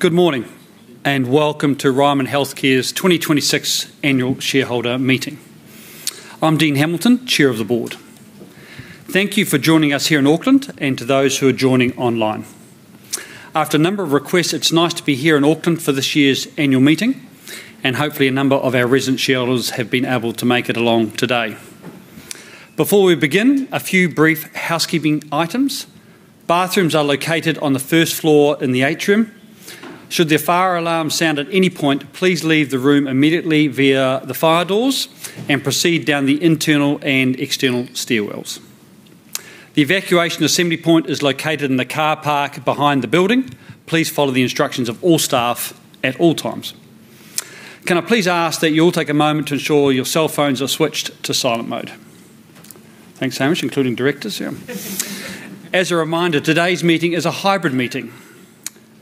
Good morning, welcome to Ryman Healthcare's 2026 annual shareholder meeting. I'm Dean Hamilton, Chair of the Board. Thank you for joining us here in Auckland, and to those who are joining online. After a number of requests, it's nice to be here in Auckland for this year's annual meeting, and hopefully, a number of our resident shareholders have been able to make it along today. Before we begin, a few brief housekeeping items. Bathrooms are located on the first floor in the atrium. Should the fire alarm sound at any point, please leave the room immediately via the fire doors and proceed down the internal and external stairwells. The evacuation assembly point is located in the car park behind the building. Please follow the instructions of all staff at all times. Can I please ask that you all take a moment to ensure your cell phones are switched to silent mode? Thanks, Hamish. Including directors. As a reminder, today's meeting is a hybrid meeting.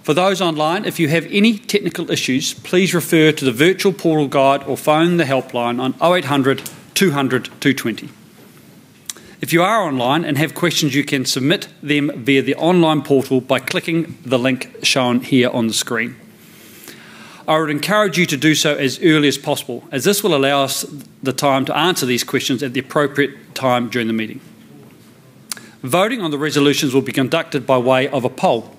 For those online, if you have any technical issues, please refer to the virtual portal guide or phone the helpline on 0800 200 220. If you are online and have questions, you can submit them via the online portal by clicking the link shown here on the screen. I would encourage you to do so as early as possible, as this will allow us the time to answer these questions at the appropriate time during the meeting. Voting on the resolutions will be conducted by way of a poll.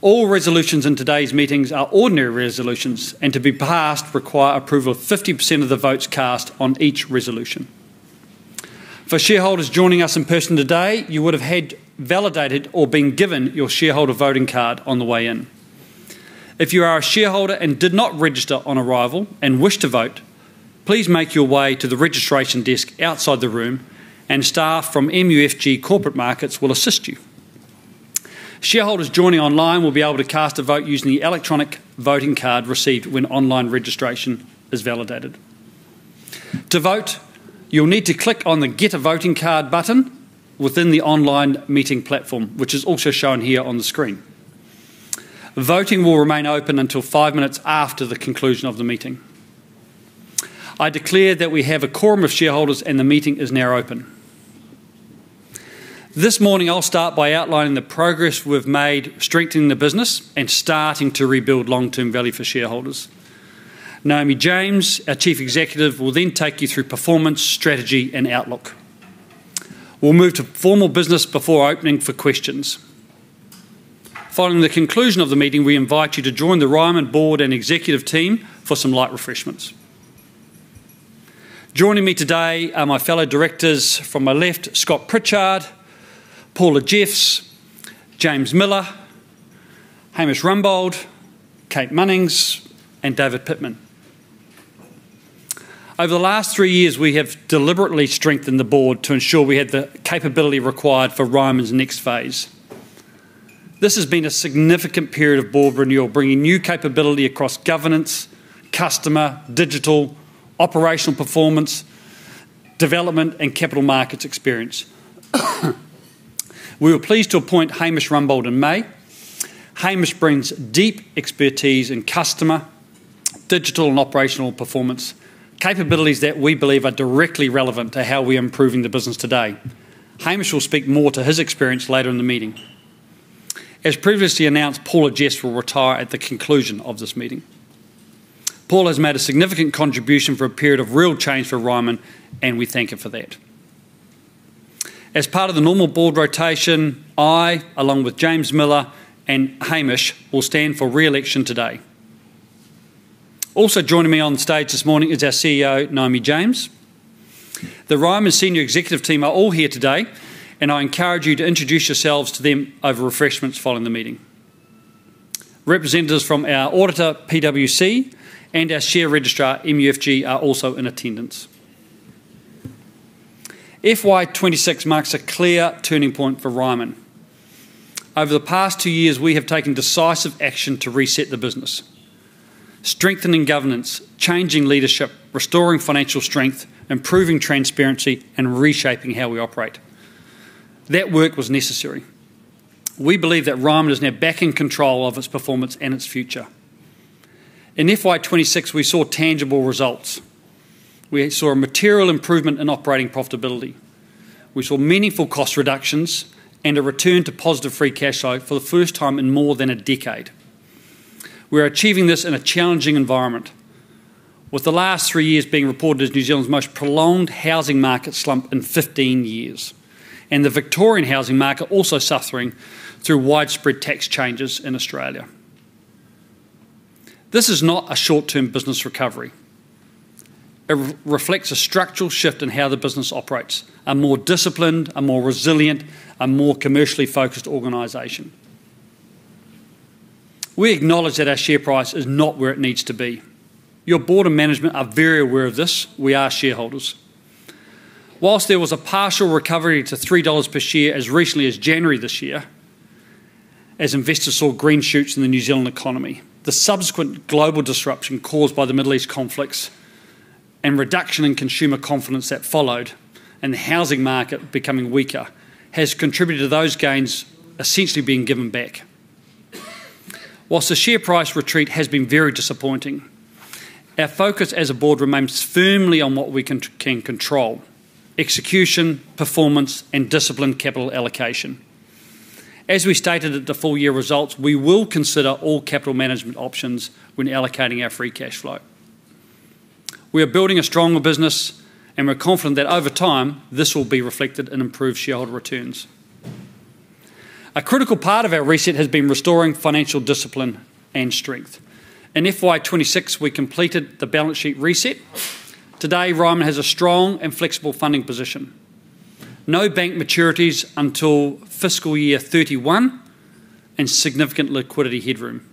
All resolutions in today's meetings are ordinary resolutions, to be passed, require approval of 50% of the votes cast on each resolution. For shareholders joining us in person today, you would have had validated or been given your shareholder voting card on the way in. If you are a shareholder and did not register on arrival and wish to vote, please make your way to the registration desk outside the room and staff from MUFG Corporate Markets will assist you. Shareholders joining online will be able to cast a vote using the electronic voting card received when online registration is validated. To vote, you'll need to click on the Get A Voting Card button within the online meeting platform, which is also shown here on the screen. Voting will remain open until five minutes after the conclusion of the meeting. I declare that we have a quorum of shareholders, the meeting is now open. This morning I'll start by outlining the progress we've made strengthening the business and starting to rebuild long-term value for shareholders. Naomi James, our Chief Executive, will take you through performance, strategy, and outlook. We'll move to formal business before opening for questions. Following the conclusion of the meeting, we invite you to join the Ryman board and executive team for some light refreshments. Joining me today are my fellow directors, from my left, Scott Pritchard, Paula Jeffs, James Miller, Hamish Rumbold, Kate Munnings, and David Pitman. Over the last three years, we have deliberately strengthened the Board to ensure we have the capability required for Ryman's next phase. This has been a significant period of board renewal, bringing new capability across governance, customer, digital, operational performance, development, and capital markets experience. We were pleased to appoint Hamish Rumbold in May. Hamish brings deep expertise in customer, digital, and operational performance, capabilities that we believe are directly relevant to how we are improving the business today. Hamish will speak more to his experience later in the meeting. As previously announced, Paula Jeffs will retire at the conclusion of this meeting. Paula has made a significant contribution for a period of real change for Ryman, and we thank her for that. As part of the normal board rotation, I, along with James Miller and Hamish, will stand for re-election today. Also joining me on stage this morning is our CEO, Naomi James. The Ryman senior executive team are all here today, and I encourage you to introduce yourselves to them over refreshments following the meeting. Representatives from our auditor, PwC, and our share registrar, MUFG, are also in attendance. FY 2026 marks a clear turning point for Ryman. Over the past two years, we have taken decisive action to reset the business, strengthening governance, changing leadership, restoring financial strength, improving transparency, and reshaping how we operate. That work was necessary. We believe that Ryman is now back in control of its performance and its future. In FY 2026, we saw tangible results. We saw a material improvement in operating profitability. We saw meaningful cost reductions and a return to positive free cash flow for the first time in more than a decade. We are achieving this in a challenging environment. With the last three years being reported as New Zealand's most prolonged housing market slump in 15 years, and the Victorian housing market also suffering through widespread tax changes in Australia. This is not a short-term business recovery. It reflects a structural shift in how the business operates. A more disciplined, a more resilient, a more commercially-focused organization. We acknowledge that our share price is not where it needs to be. Your board and management are very aware of this. We are shareholders. Whilst there was a partial recovery to 3 dollars per share as recently as January this year, as investors saw green shoots in the New Zealand economy, the subsequent global disruption caused by the Middle East conflicts and reduction in consumer confidence that followed, and the housing market becoming weaker, has contributed to those gains essentially being given back. Whilst the share price retreat has been very disappointing. Our focus as a board remains firmly on what we can control: execution, performance, and disciplined capital allocation. As we stated at the full-year results, we will consider all capital management options when allocating our free cash flow. We are building a stronger business, and we're confident that over time, this will be reflected in improved shareholder returns. A critical part of our reset has been restoring financial discipline and strength. In FY 2026, we completed the balance sheet reset. Today, Ryman has a strong and flexible funding position, no bank maturities until FY 2031, and significant liquidity headroom.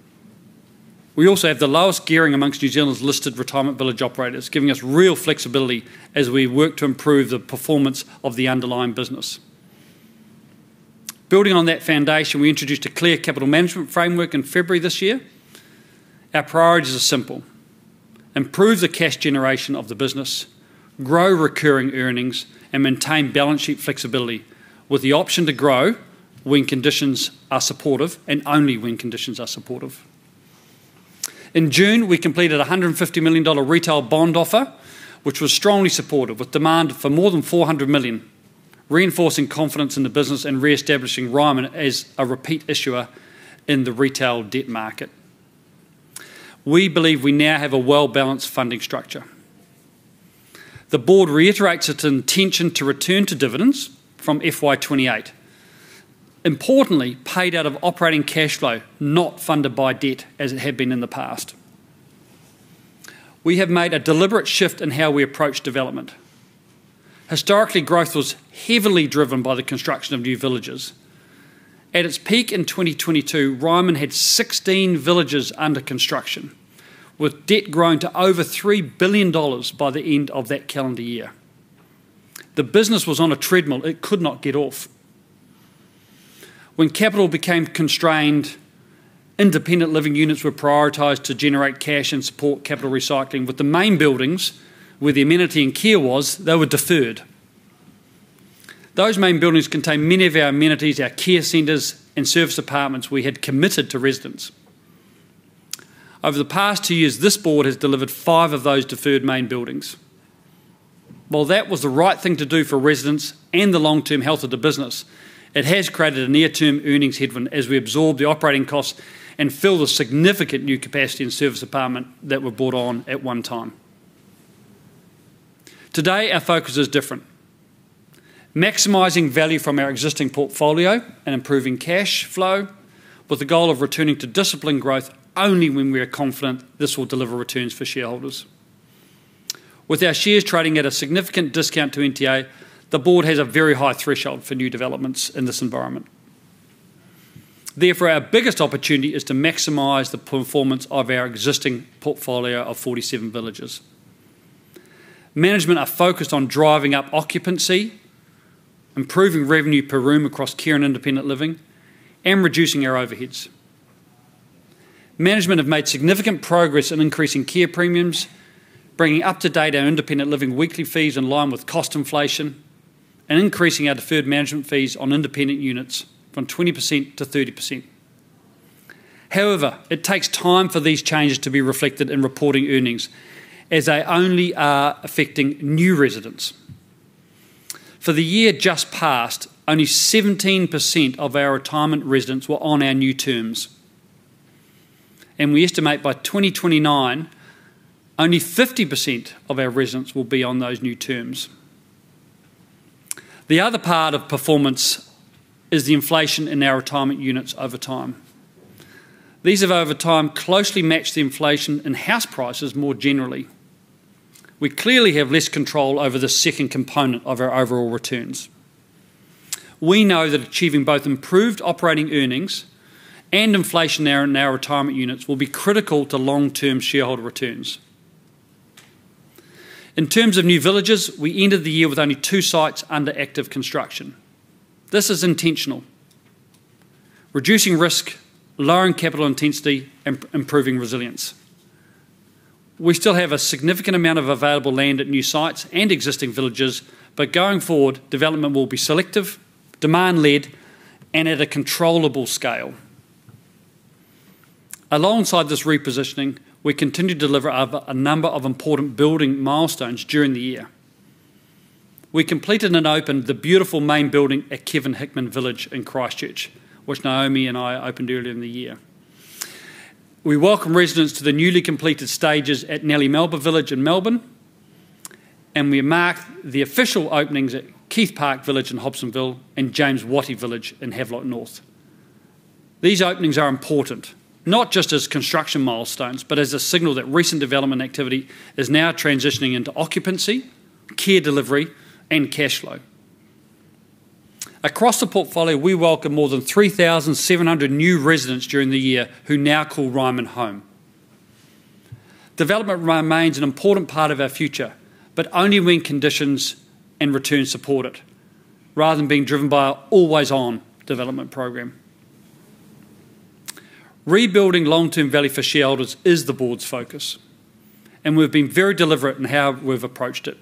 We also have the lowest gearing amongst New Zealand's listed retirement village operators, giving us real flexibility as we work to improve the performance of the underlying business. Building on that foundation, we introduced a clear capital management framework in February this year. Our priorities are simple: improve the cash generation of the business, grow recurring earnings, and maintain balance sheet flexibility with the option to grow when conditions are supportive and only when conditions are supportive. In June, we completed a 150 million dollar retail bond offer, which was strongly supported with demand for more than 400 million, reinforcing confidence in the business and reestablishing Ryman as a repeat issuer in the retail debt market. We believe we now have a well-balanced funding structure. The Board reiterates its intention to return to dividends from FY 2028. Importantly, paid out of operating cash flow, not funded by debt as it had been in the past. We have made a deliberate shift in how we approach development. Historically, growth was heavily driven by the construction of new villages. At its peak in 2022, Ryman had 16 villages under construction, with debt growing to over 3 billion dollars by the end of that calendar year. The business was on a treadmill it could not get off. When capital became constrained, independent living units were prioritized to generate cash and support capital recycling, but the main buildings where the amenity and care was, they were deferred. Those main buildings contain many of our amenities, our care centers, and serviced apartments we had committed to residents. Over the past two years, this board has delivered five of those deferred main buildings. While that was the right thing to do for residents and the long-term health of the business, it has created a near-term earnings headwind as we absorb the operating costs and fill the significant new capacity and serviced apartment that were brought on at one time. Today, our focus is different, maximizing value from our existing portfolio and improving cash flow with the goal of returning to disciplined growth only when we are confident this will deliver returns for shareholders. With our shares trading at a significant discount to NTA, the Board has a very high threshold for new developments in this environment. Therefore, our biggest opportunity is to maximize the performance of our existing portfolio of 47 villages. Management are focused on driving up occupancy, improving revenue per room across care and independent living, and reducing our overheads. Management have made significant progress in increasing care premiums, bringing up to date our independent living weekly fees in line with cost inflation, and increasing our deferred management fees on independent units from 20%-30%. However, it takes time for these changes to be reflected in reported earnings as they only are affecting new residents. For the year just passed, only 17% of our retirement residents were on our new terms, and we estimate by 2029, only 50% of our residents will be on those new terms. The other part of performance is the inflation in our retirement units over time. These have, over time, closely matched the inflation in house prices more generally. We clearly have less control over the second component of our overall returns. We know that achieving both improved operating earnings and inflation in our retirement units will be critical to long-term shareholder returns. In terms of new villages, we ended the year with only two sites under active construction. This is intentional, reducing risk, lowering capital intensity, and improving resilience. We still have a significant amount of available land at new sites and existing villages, but going forward, development will be selective, demand-led, and at a controllable scale. Alongside this repositioning, we continued to deliver a number of important building milestones during the year. We completed and opened the beautiful main building at Kevin Hickman Village in Christchurch, which Naomi and I opened earlier in the year. We welcome residents to the newly completed stages at Nellie Melba Village in Melbourne. We mark the official openings at Keith Park Village in Hobsonville and James Wattie Village in Havelock North. These openings are important, not just as construction milestones, but as a signal that recent development activity is now transitioning into occupancy, care delivery, and cash flow. Across the portfolio, we welcome more than 3,700 new residents during the year who now call Ryman home. Development remains an important part of our future. Only when conditions and returns support it, rather than being driven by an always-on development program. Rebuilding long-term value for shareholders is the Board's focus. We've been very deliberate in how we've approached it.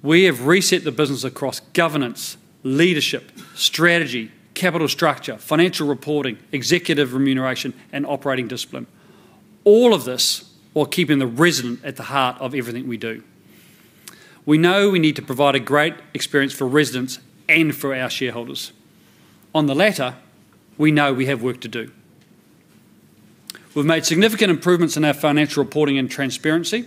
We have reset the business across governance, leadership, strategy, capital structure, financial reporting, executive remuneration, and operating discipline. All of this while keeping the resident at the heart of everything we do. We know we need to provide a great experience for residents and for our shareholders. On the latter, we know we have work to do. We've made significant improvements in our financial reporting and transparency.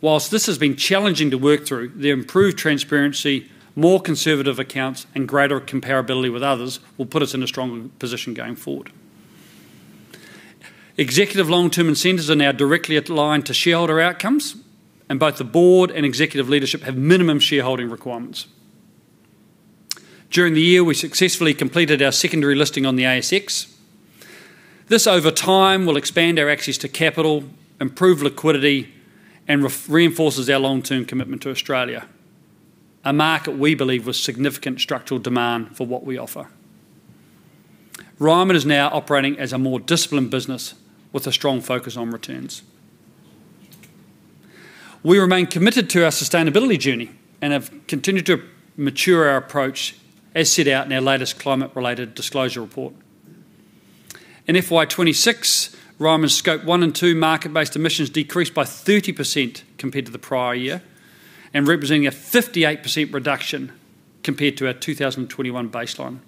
Whilst this has been challenging to work through, the improved transparency, more conservative accounts, and greater comparability with others will put us in a strong position going forward. Executive long-term incentives are now directly aligned to shareholder outcomes. Both the Board and executive leadership have minimum shareholding requirements. During the year, we successfully completed our secondary listing on the ASX. This, over time, will expand our access to capital, improve liquidity, and reinforces our long-term commitment to Australia, a market we believe with significant structural demand for what we offer. Ryman is now operating as a more disciplined business with a strong focus on returns. We remain committed to our sustainability journey and have continued to mature our approach as set out in our latest climate-related disclosure report. In FY 2026, Ryman's Scope 1 and 2 market-based emissions decreased by 30% compared to the prior year, representing a 58% reduction compared to our 2021 baseline.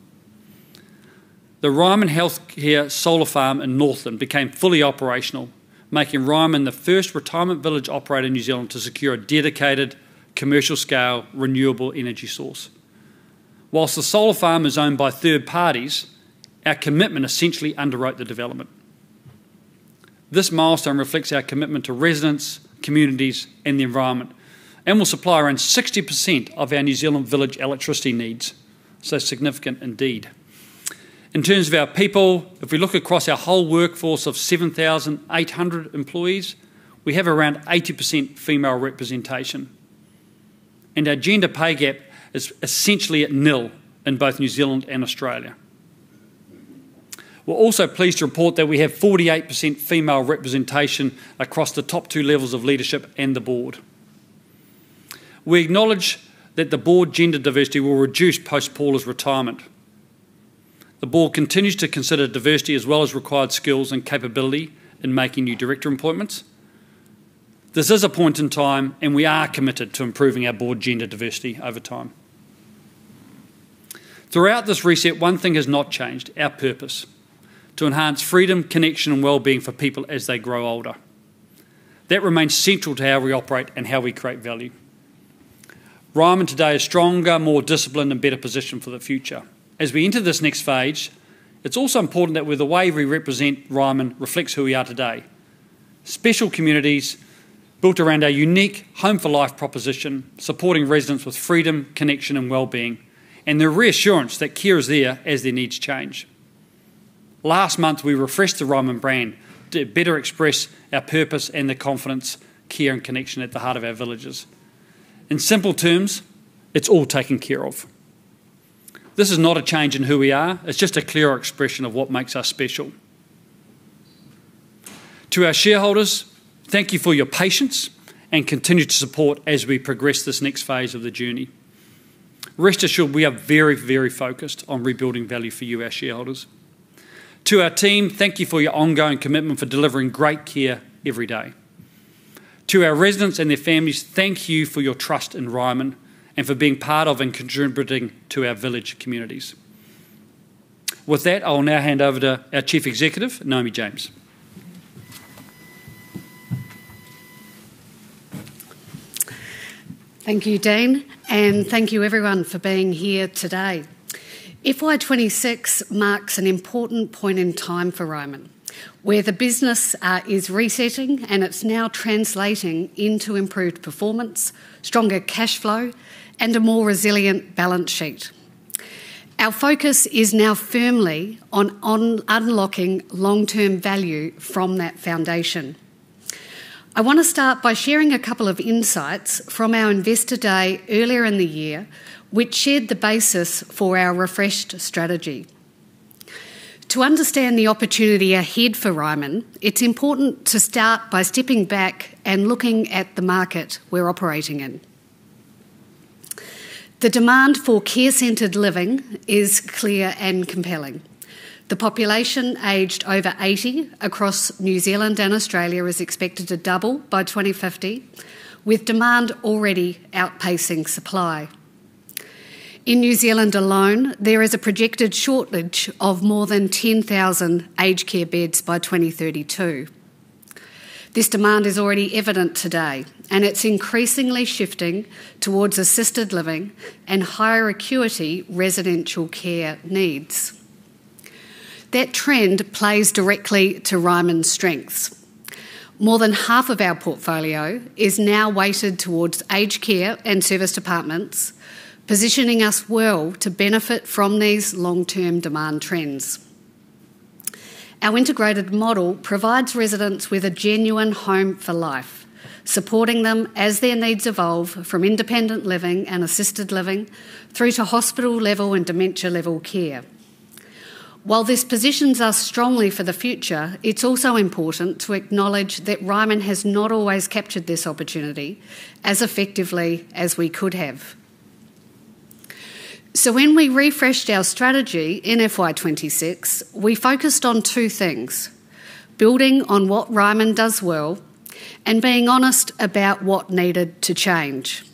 The Ryman Healthcare Solar Farm in Northland became fully operational, making Ryman the first retirement village operator in New Zealand to secure a dedicated commercial-scale renewable energy source. Whilst the solar farm is owned by third parties, our commitment essentially underwrote the development. This milestone reflects our commitment to residents, communities, and the environment. Will supply around 60% of our New Zealand village electricity needs, significant indeed. In terms of our people, if we look across our whole workforce of 7,800 employees, we have around 80% female representation. Our gender pay gap is essentially at nil in both New Zealand and Australia. We're also pleased to report that we have 48% female representation across the top two levels of leadership and the Board. We acknowledge that the Board gender diversity will reduce post Paula's retirement. The Board continues to consider diversity as well as required skills and capability in making new director appointments. This is a point in time. We are committed to improving our board gender diversity over time. Throughout this reset, one thing has not changed, our purpose: to enhance freedom, connection, and wellbeing for people as they grow older. That remains central to how we operate and how we create value. Ryman today is stronger, more disciplined, and better positioned for the future. As we enter this next phase, it's also important that the way we represent Ryman reflects who we are today. Special communities built around our unique home-for-life proposition, supporting residents with freedom, connection, and wellbeing, and the reassurance that care is there as their needs change. Last month, we refreshed the Ryman brand to better express our purpose and the confidence, care, and connection at the heart of our villages. In simple terms, it's all taken care of. This is not a change in who we are, it's just a clearer expression of what makes us special. To our shareholders, thank you for your patience and continued support as we progress this next phase of the journey. Rest assured, we are very focused on rebuilding value for you, our shareholders. To our team, thank you for your ongoing commitment for delivering great care every day. To our residents and their families, thank you for your trust in Ryman and for being part of and contributing to our village communities. With that, I will now hand over to our Chief Executive, Naomi James. Thank you, Dean. Thank you, everyone, for being here today. FY 2026 marks an important point in time for Ryman, where the business is resetting, and it's now translating into improved performance, stronger cash flow, and a more resilient balance sheet. Our focus is now firmly on unlocking long-term value from that foundation. I want to start by sharing a couple of insights from our Investor Day earlier in the year, which shared the basis for our refreshed strategy. To understand the opportunity ahead for Ryman, it's important to start by stepping back and looking at the market we're operating in. The demand for care-centered living is clear and compelling. The population aged over 80 across New Zealand and Australia is expected to double by 2050, with demand already outpacing supply. In New Zealand alone, there is a projected shortage of more than 10,000 aged care beds by 2032. This demand is already evident today, it's increasingly shifting towards assisted living and higher acuity residential care needs. That trend plays directly to Ryman's strengths. More than half of our portfolio is now weighted towards aged care and serviced apartments, positioning us well to benefit from these long-term demand trends. Our integrated model provides residents with a genuine home for life, supporting them as their needs evolve from independent living and assisted living through to hospital-level and dementia-level care. While this positions us strongly for the future, it's also important to acknowledge that Ryman has not always captured this opportunity as effectively as we could have. When we refreshed our strategy in FY 2026, we focused on two things, building on what Ryman does well and being honest about what needed to change.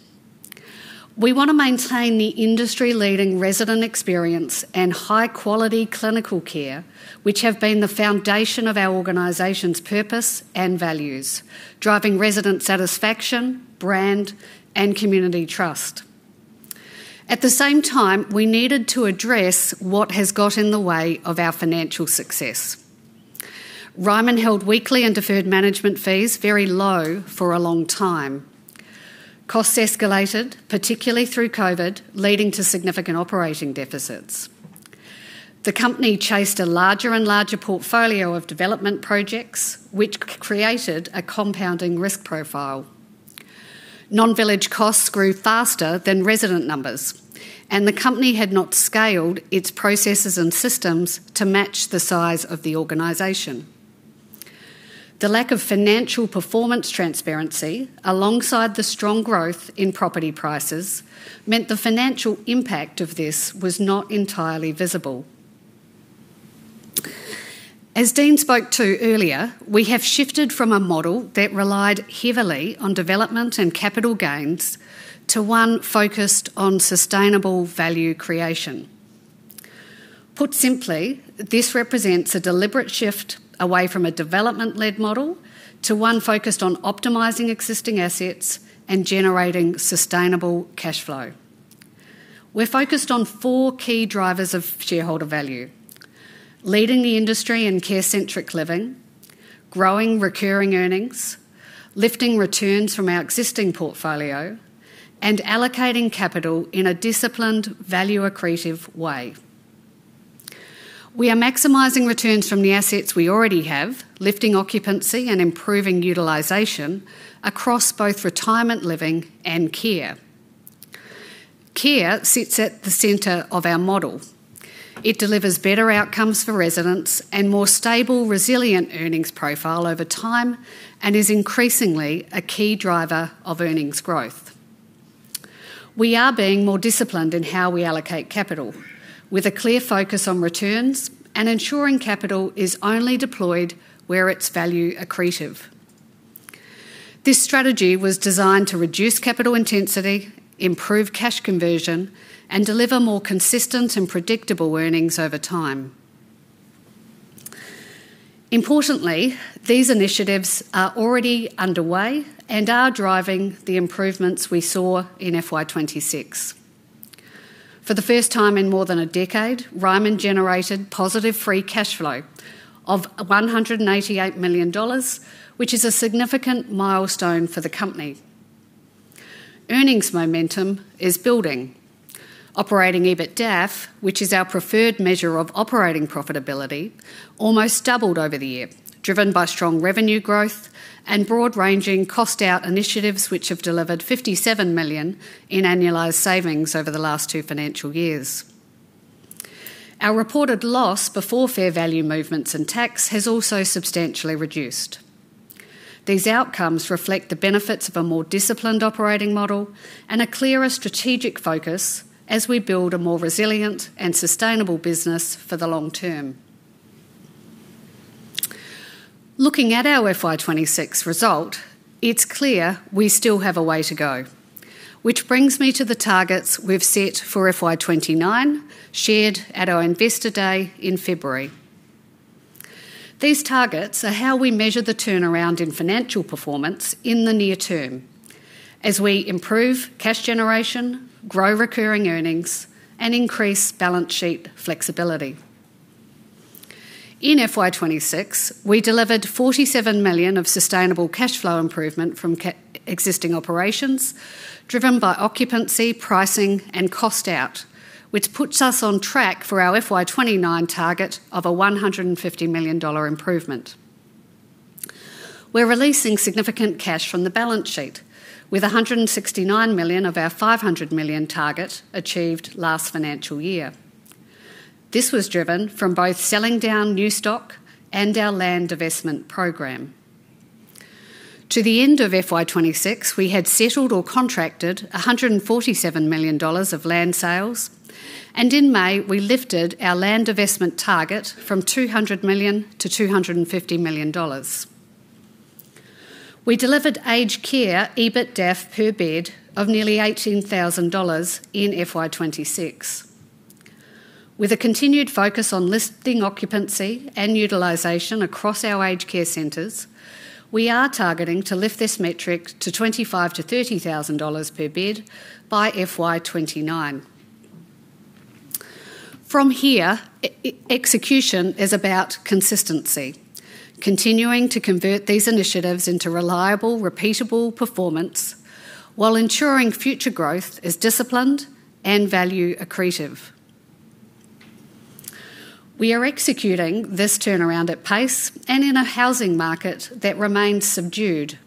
We want to maintain the industry-leading resident experience and high-quality clinical care which have been the foundation of our organization's purpose and values, driving resident satisfaction, brand, and community trust. At the same time, we needed to address what has got in the way of our financial success. Ryman held weekly and deferred management fees very low for a long time. Costs escalated, particularly through COVID, leading to significant operating deficits. The company chased a larger and larger portfolio of development projects, which created a compounding risk profile. Non-village costs grew faster than resident numbers, and the company had not scaled its processes and systems to match the size of the organization. The lack of financial performance transparency, alongside the strong growth in property prices, meant the financial impact of this was not entirely visible. As Dean spoke to earlier, we have shifted from a model that relied heavily on development and capital gains to one focused on sustainable value creation. Put simply, this represents a deliberate shift away from a development-led model to one focused on optimizing existing assets and generating sustainable cash flow. We're focused on four key drivers of shareholder value, leading the industry in care-centric living, growing recurring earnings, lifting returns from our existing portfolio, and allocating capital in a disciplined value-accretive way. We are maximizing returns from the assets we already have, lifting occupancy and improving utilization across both retirement living and care. Care sits at the center of our model. It delivers better outcomes for residents and more stable, resilient earnings profile over time, and is increasingly a key driver of earnings growth. We are being more disciplined in how we allocate capital, with a clear focus on returns and ensuring capital is only deployed where it's value accretive. This strategy was designed to reduce capital intensity, improve cash conversion, and deliver more consistent and predictable earnings over time. Importantly, these initiatives are already underway and are driving the improvements we saw in FY 2026. For the first time in more than a decade, Ryman generated positive free cash flow of 188 million dollars, which is a significant milestone for the company. Earnings momentum is building. Operating EBITDAF, which is our preferred measure of operating profitability, almost doubled over the year, driven by strong revenue growth and broad-ranging cost-out initiatives which have delivered 57 million in annualized savings over the last two financial years. Our reported loss before fair value movements and tax has also substantially reduced. These outcomes reflect the benefits of a more disciplined operating model and a clearer strategic focus as we build a more resilient and sustainable business for the long term. Looking at our FY 2026 result, it's clear we still have a way to go, which brings me to the targets we've set for FY 2029, shared at our Investor Day in February. These targets are how we measure the turnaround in financial performance in the near term as we improve cash generation, grow recurring earnings, and increase balance sheet flexibility. In FY 2026, we delivered 47 million of sustainable cash flow improvement from existing operations driven by occupancy, pricing, and cost out, which puts us on track for our FY 2029 target of a 150 million dollar improvement. We're releasing significant cash from the balance sheet with 169 million of our 500 million target achieved last financial year. This was driven from both selling down new stock and our land divestment program. To the end of FY 2026, we had settled or contracted 147 million dollars of land sales, and in May, we lifted our land divestment target from 200 million to 250 million dollars. We delivered aged care EBITDAF per bed of nearly 18,000 dollars in FY 2026. With a continued focus on listing occupancy and utilization across our aged care centers, we are targeting to lift this metric to 25,000-30,000 dollars per bed by FY 2029. From here, execution is about consistency, continuing to convert these initiatives into reliable, repeatable performance while ensuring future growth is disciplined and value accretive. We are executing this turnaround at pace and in a housing market that remains subdued.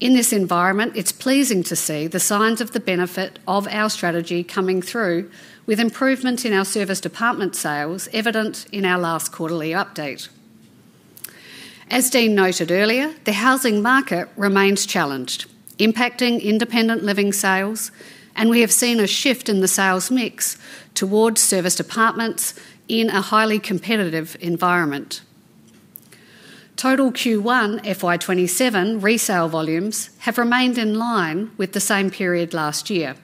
In this environment, it's pleasing to see the signs of the benefit of our strategy coming through with improvement in our serviced apartment sales evident in our last quarterly update. As Dean noted earlier, the housing market remains challenged, impacting independent living sales, and we have seen a shift in the sales mix towards serviced apartments in a highly competitive environment. Total Q1 FY 2027 resale volumes have remained in line with the same period last year,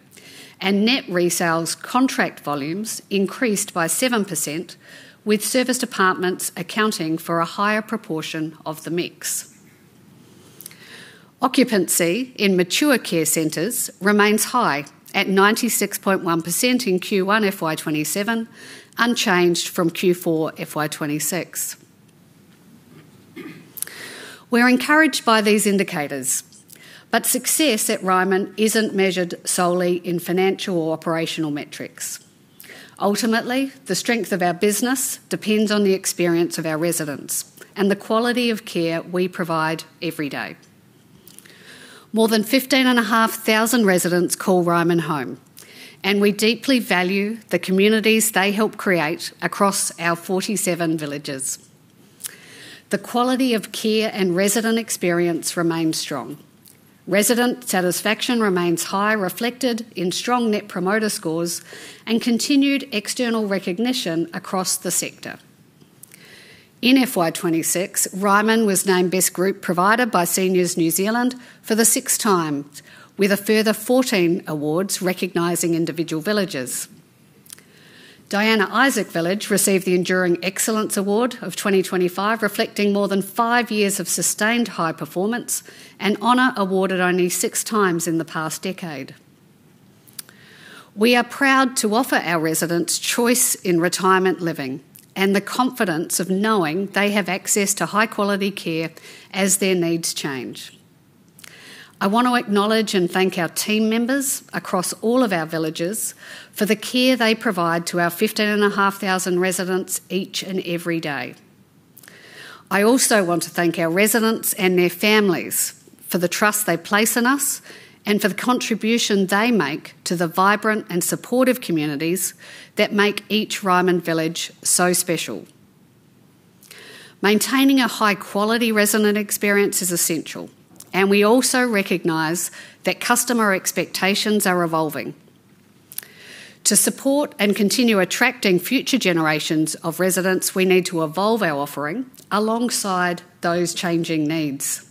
and net resales contract volumes increased by 7%, with serviced apartments accounting for a higher proportion of the mix. Occupancy in mature care centers remains high at 96.1% in Q1 FY 2027, unchanged from Q4 FY 2026. We're encouraged by these indicators, but success at Ryman isn't measured solely in financial or operational metrics. Ultimately, the strength of our business depends on the experience of our residents and the quality of care we provide every day. More than 15,500 residents call Ryman home, and we deeply value the communities they help create across our 47 villages. The quality of care and resident experience remains strong. Resident satisfaction remains high, reflected in strong Net Promoter Scores and continued external recognition across the sector. In FY 2026, Ryman was named Best Group Provider by Seniors New Zealand for the sixth time, with a further 14 awards recognizing individual villages. Diana Isaac Village received the Enduring Excellence Award of 2025, reflecting more than five years of sustained high performance, an honor awarded only six times in the past decade. We are proud to offer our residents choice in retirement living and the confidence of knowing they have access to high-quality care as their needs change. I want to acknowledge and thank our team members across all of our villages for the care they provide to our 15,500 residents each and every day. I also want to thank our residents and their families for the trust they place in us and for the contribution they make to the vibrant and supportive communities that make each Ryman village so special. Maintaining a high-quality resident experience is essential, and we also recognize that customer expectations are evolving. To support and continue attracting future generations of residents, we need to evolve our offering alongside those changing needs.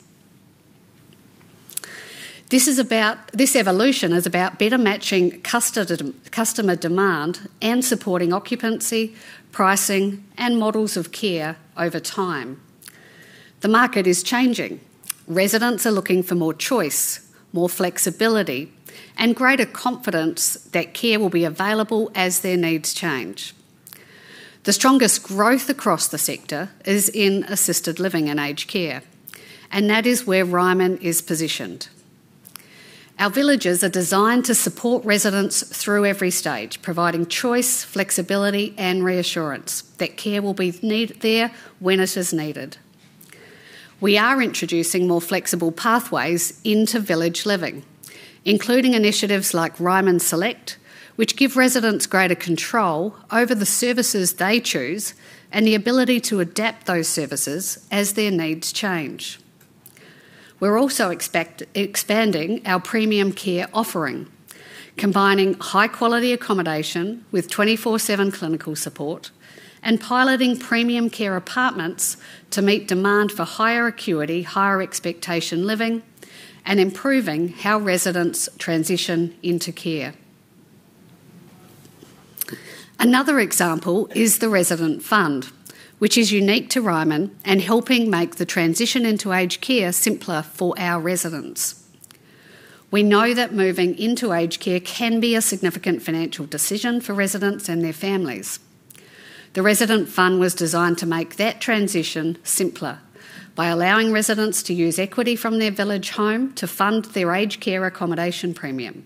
This evolution is about better matching customer demand and supporting occupancy, pricing, and models of care over time. The market is changing. Residents are looking for more choice, more flexibility, and greater confidence that care will be available as their needs change. The strongest growth across the sector is in assisted living and aged care, that is where Ryman is positioned. Our villages are designed to support residents through every stage, providing choice, flexibility, and reassurance that care will be there when it is needed. We are introducing more flexible pathways into village living, including initiatives like Ryman Select, which give residents greater control over the services they choose and the ability to adapt those services as their needs change. We're also expanding our premium care offering, combining high-quality accommodation with 24/7 clinical support and piloting premium care apartments to meet demand for higher acuity, higher expectation living, and improving how residents transition into care. Another example is the Resident Fund, which is unique to Ryman and helping make the transition into aged care simpler for our residents. We know that moving into aged care can be a significant financial decision for residents and their families. The Resident Fund was designed to make that transition simpler by allowing residents to use equity from their village home to fund their aged care accommodation premium.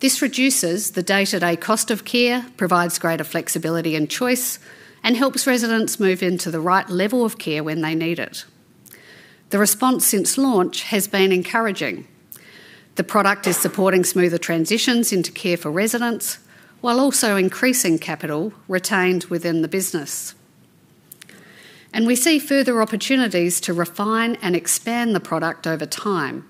This reduces the day-to-day cost of care, provides greater flexibility and choice, and helps residents move into the right level of care when they need it. The response since launch has been encouraging. The product is supporting smoother transitions into care for residents while also increasing capital retained within the business. We see further opportunities to refine and expand the product over time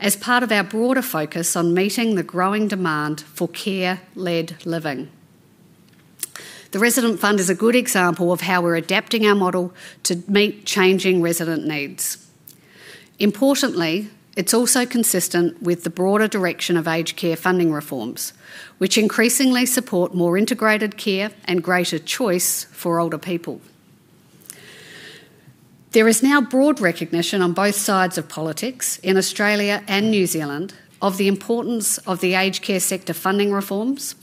as part of our broader focus on meeting the growing demand for care-led living. The Resident Fund is a good example of how we're adapting our model to meet changing resident needs. Importantly, it's also consistent with the broader direction of aged care funding reforms, which increasingly support more integrated care and greater choice for older people. There is now broad recognition on both sides of politics in Australia and New Zealand of the importance of the aged care sector funding reforms,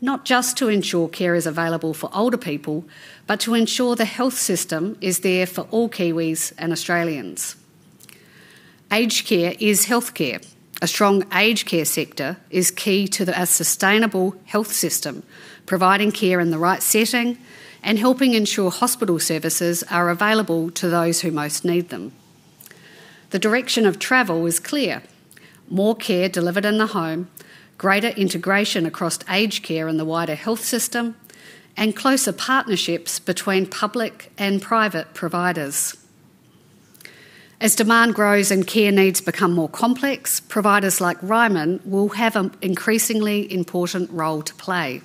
not just to ensure care is available for older people, but to ensure the health system is there for all Kiwis and Australians. Aged care is healthcare. A strong aged care sector is key to a sustainable health system, providing care in the right setting and helping ensure hospital services are available to those who most need them. The direction of travel is clear. More care delivered in the home, greater integration across aged care and the wider health system, and closer partnerships between public and private providers. As demand grows and care needs become more complex, providers like Ryman will have an increasingly important role to play.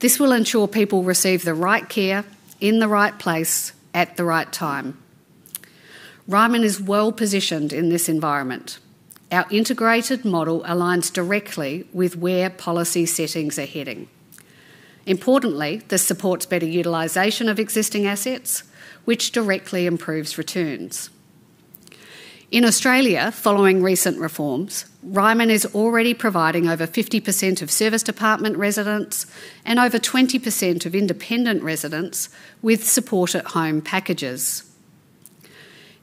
This will ensure people receive the right care in the right place at the right time. Ryman is well-positioned in this environment. Our integrated model aligns directly with where policy settings are heading. Importantly, this supports better utilization of existing assets, which directly improves returns. In Australia, following recent reforms, Ryman is already providing over 50% of serviced apartment residents and over 20% of independent residents with Support at Home packages.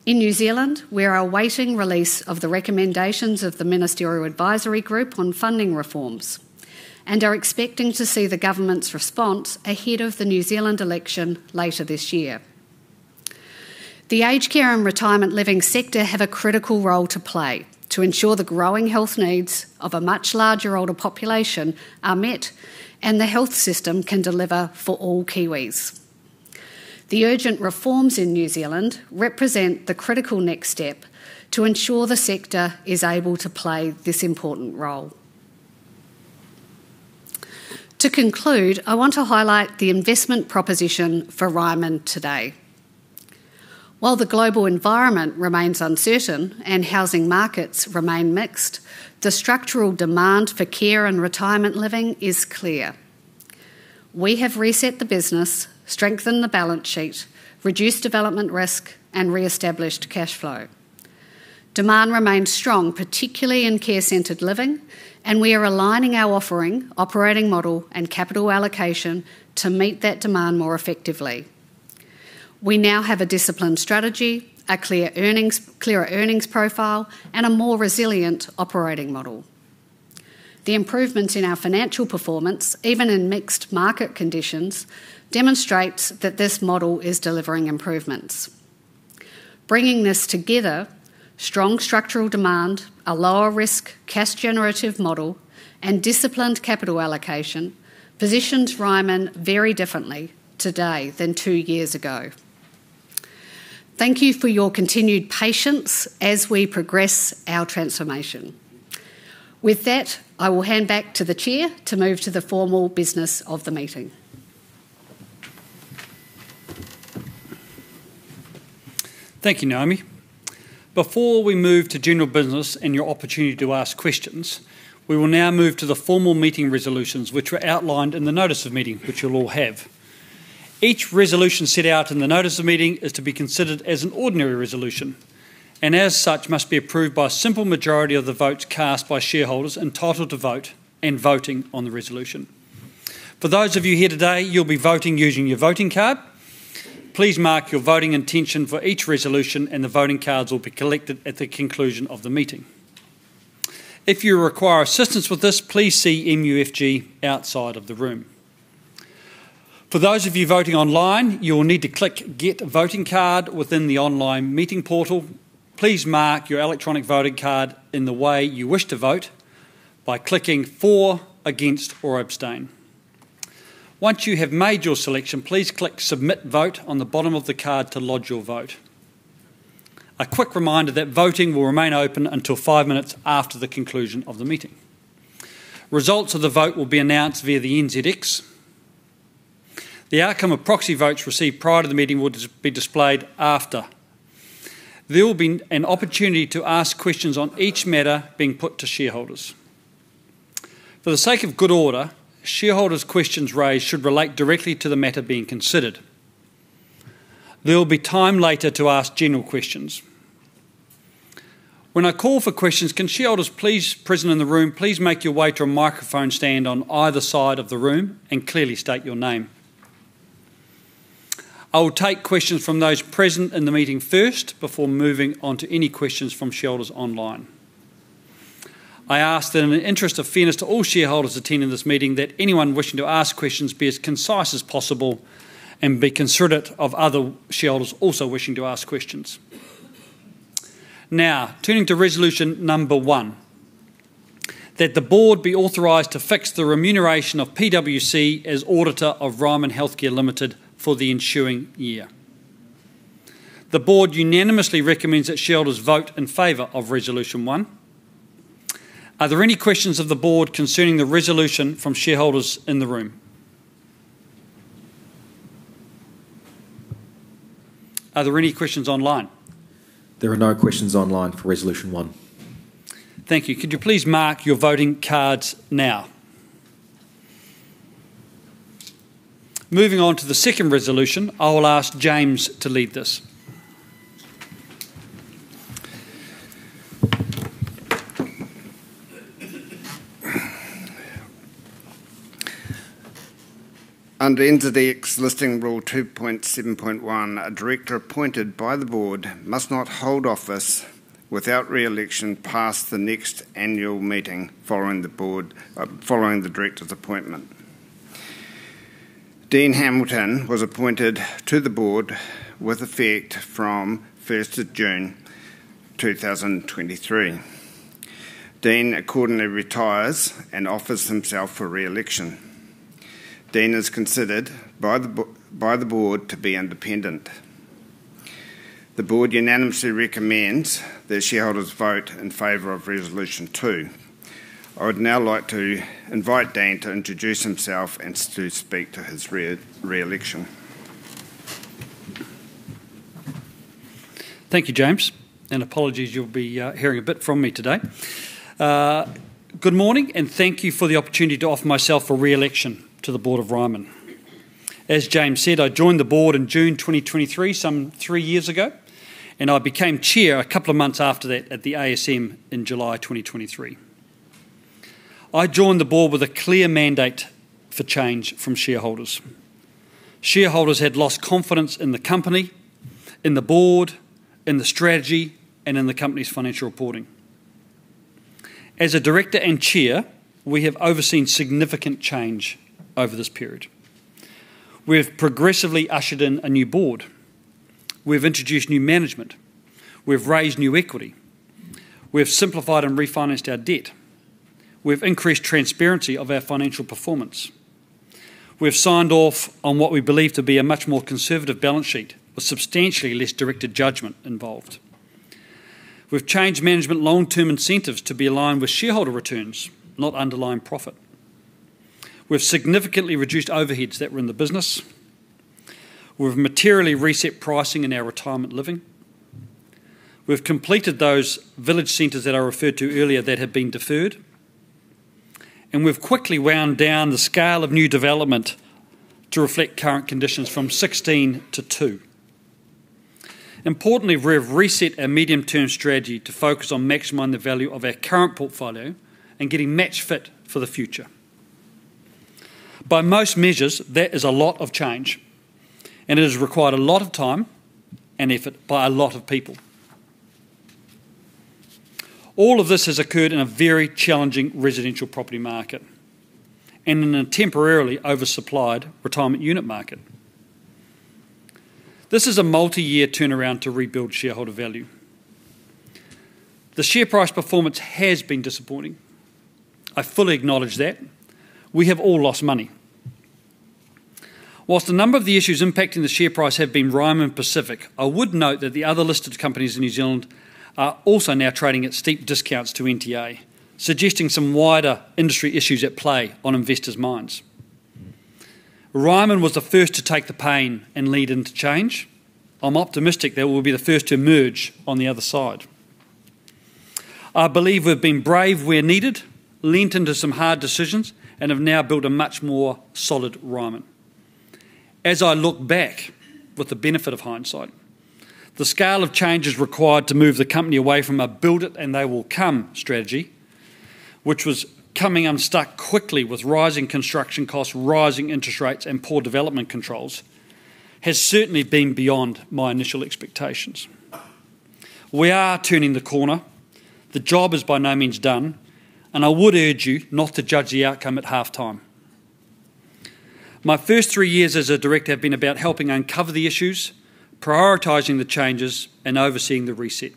In New Zealand, we are awaiting release of the recommendations of the Ministerial Advisory Group on funding reforms and are expecting to see the government's response ahead of the New Zealand election later this year. The aged care and retirement living sector have a critical role to play to ensure the growing health needs of a much larger older population are met and the health system can deliver for all Kiwis. The urgent reforms in New Zealand represent the critical next step to ensure the sector is able to play this important role. To conclude, I want to highlight the investment proposition for Ryman today. While the global environment remains uncertain and housing markets remain mixed, the structural demand for care and retirement living is clear. We have reset the business, strengthened the balance sheet, reduced development risk, and reestablished cash flow. Demand remains strong, particularly in care-centered living, and we are aligning our offering, operating model, and capital allocation to meet that demand more effectively. We now have a disciplined strategy, a clear earnings profile, and a more resilient operating model. The improvements in our financial performance, even in mixed market conditions, demonstrates that this model is delivering improvements. Bringing this together, strong structural demand, a lower risk, cash-generative model, and disciplined capital allocation positions Ryman very differently today than two years ago. Thank you for your continued patience as we progress our transformation. With that, I will hand back to the Chair to move to the formal business of the meeting. Thank you, Naomi. Before we move to general business and your opportunity to ask questions, we will now move to the formal meeting resolutions, which were outlined in the notice of meeting, which you'll all have. Each resolution set out in the notice of meeting is to be considered as an ordinary resolution, and as such, must be approved by a simple majority of the votes cast by shareholders entitled to vote and voting on the resolution. For those of you here today, you'll be voting using your voting card. Please mark your voting intention for each resolution, and the voting cards will be collected at the conclusion of the meeting. If you require assistance with this, please see MUFG outside of the room. For those of you voting online, you will need to click Get Voting Card within the online meeting portal. Please mark your electronic voting card in the way you wish to vote by clicking For, Against, or Abstain. Once you have made your selection, please click Submit Vote on the bottom of the card to lodge your vote. A quick reminder that voting will remain open until five minutes after the conclusion of the meeting. Results of the vote will be announced via the NZX. The outcome of proxy votes received prior to the meeting will be displayed after. There will be an opportunity to ask questions on each matter being put to shareholders. For the sake of good order, shareholders' questions raised should relate directly to the matter being considered. There will be time later to ask general questions. When I call for questions, can shareholders please present in the room, please make your way to a microphone stand on either side of the room and clearly state your name. I will take questions from those present in the meeting first before moving on to any questions from shareholders online. I ask that in the interest of fairness to all shareholders attending this meeting, that anyone wishing to ask questions be as concise as possible and be considerate of other shareholders also wishing to ask questions. Now, turning to Resolution number 1, that the Board be authorized to fix the remuneration of PwC as auditor of Ryman Healthcare Limited for the ensuing year. The Board unanimously recommends that shareholders vote in favor of Resolution one. Are there any questions of the Board concerning the resolution from shareholders in the room? Are there any questions online? There are no questions online for Resolution 1. Thank you. Could you please mark your voting cards now? Moving on to the second resolution, I will ask James to lead this. Under NZX Listing Rule 2.7.1, a director appointed by the Board must not hold office without re-election past the next annual meeting following the director's appointment. Dean Hamilton was appointed to the Board with effect from 1st of June 2023. Dean accordingly retires and offers himself for re-election. Dean is considered by the Board to be independent. The Board unanimously recommends that shareholders vote in favor of Resolution 2. I would now like to invite Dean to introduce himself and to speak to his re-election. Thank you, James. Apologies, you'll be hearing a bit from me today. Good morning, thank you for the opportunity to offer myself for re-election to the Board of Ryman. As James said, I joined the Board in June 2023, some three years ago, and I became Chair a couple of months after that at the ASM in July 2023. I joined the Board with a clear mandate for change from shareholders. Shareholders had lost confidence in the company, in the Board, in the strategy, and in the company's financial reporting. As a director and chair, we have overseen significant change over this period. We have progressively ushered in a new board, we've introduced new management, we've raised new equity, we've simplified and refinanced our debt, we've increased transparency of our financial performance. We have signed off on what we believe to be a much more conservative balance sheet, with substantially less directed judgment involved. We've changed management long-term incentives to be aligned with shareholder returns, not underlying profit. We've significantly reduced overheads that were in the business. We've materially reset pricing in our retirement living. We've completed those village centers that I referred to earlier that had been deferred, and we've quickly wound down the scale of new development to reflect current conditions from 16 to two. Importantly, we have reset our medium-term strategy to focus on maximizing the value of our current portfolio and getting match fit for the future. By most measures, that is a lot of change, and it has required a lot of time and effort by a lot of people. All of this has occurred in a very challenging residential property market and in a temporarily over-supplied retirement unit market. This is a multi-year turnaround to rebuild shareholder value. The share price performance has been disappointing. I fully acknowledge that. We have all lost money. Whilst a number of the issues impacting the share price have been Ryman-specific, I would note that the other listed companies in New Zealand are also now trading at steep discounts to NTA, suggesting some wider industry issues at play on investors' minds. Ryman was the first to take the pain and lead into change. I'm optimistic that we'll be the first to emerge on the other side. I believe we've been brave where needed, leaned into some hard decisions, and have now built a much more solid Ryman. As I look back, with the benefit of hindsight, the scale of changes required to move the company away from a build it and they will come strategy, which was coming unstuck quickly with rising construction costs, rising interest rates, and poor development controls, has certainly been beyond my initial expectations. We are turning the corner. The job is by no means done, and I would urge you not to judge the outcome at halftime. My first three years as a director have been about helping uncover the issues, prioritizing the changes, and overseeing the reset.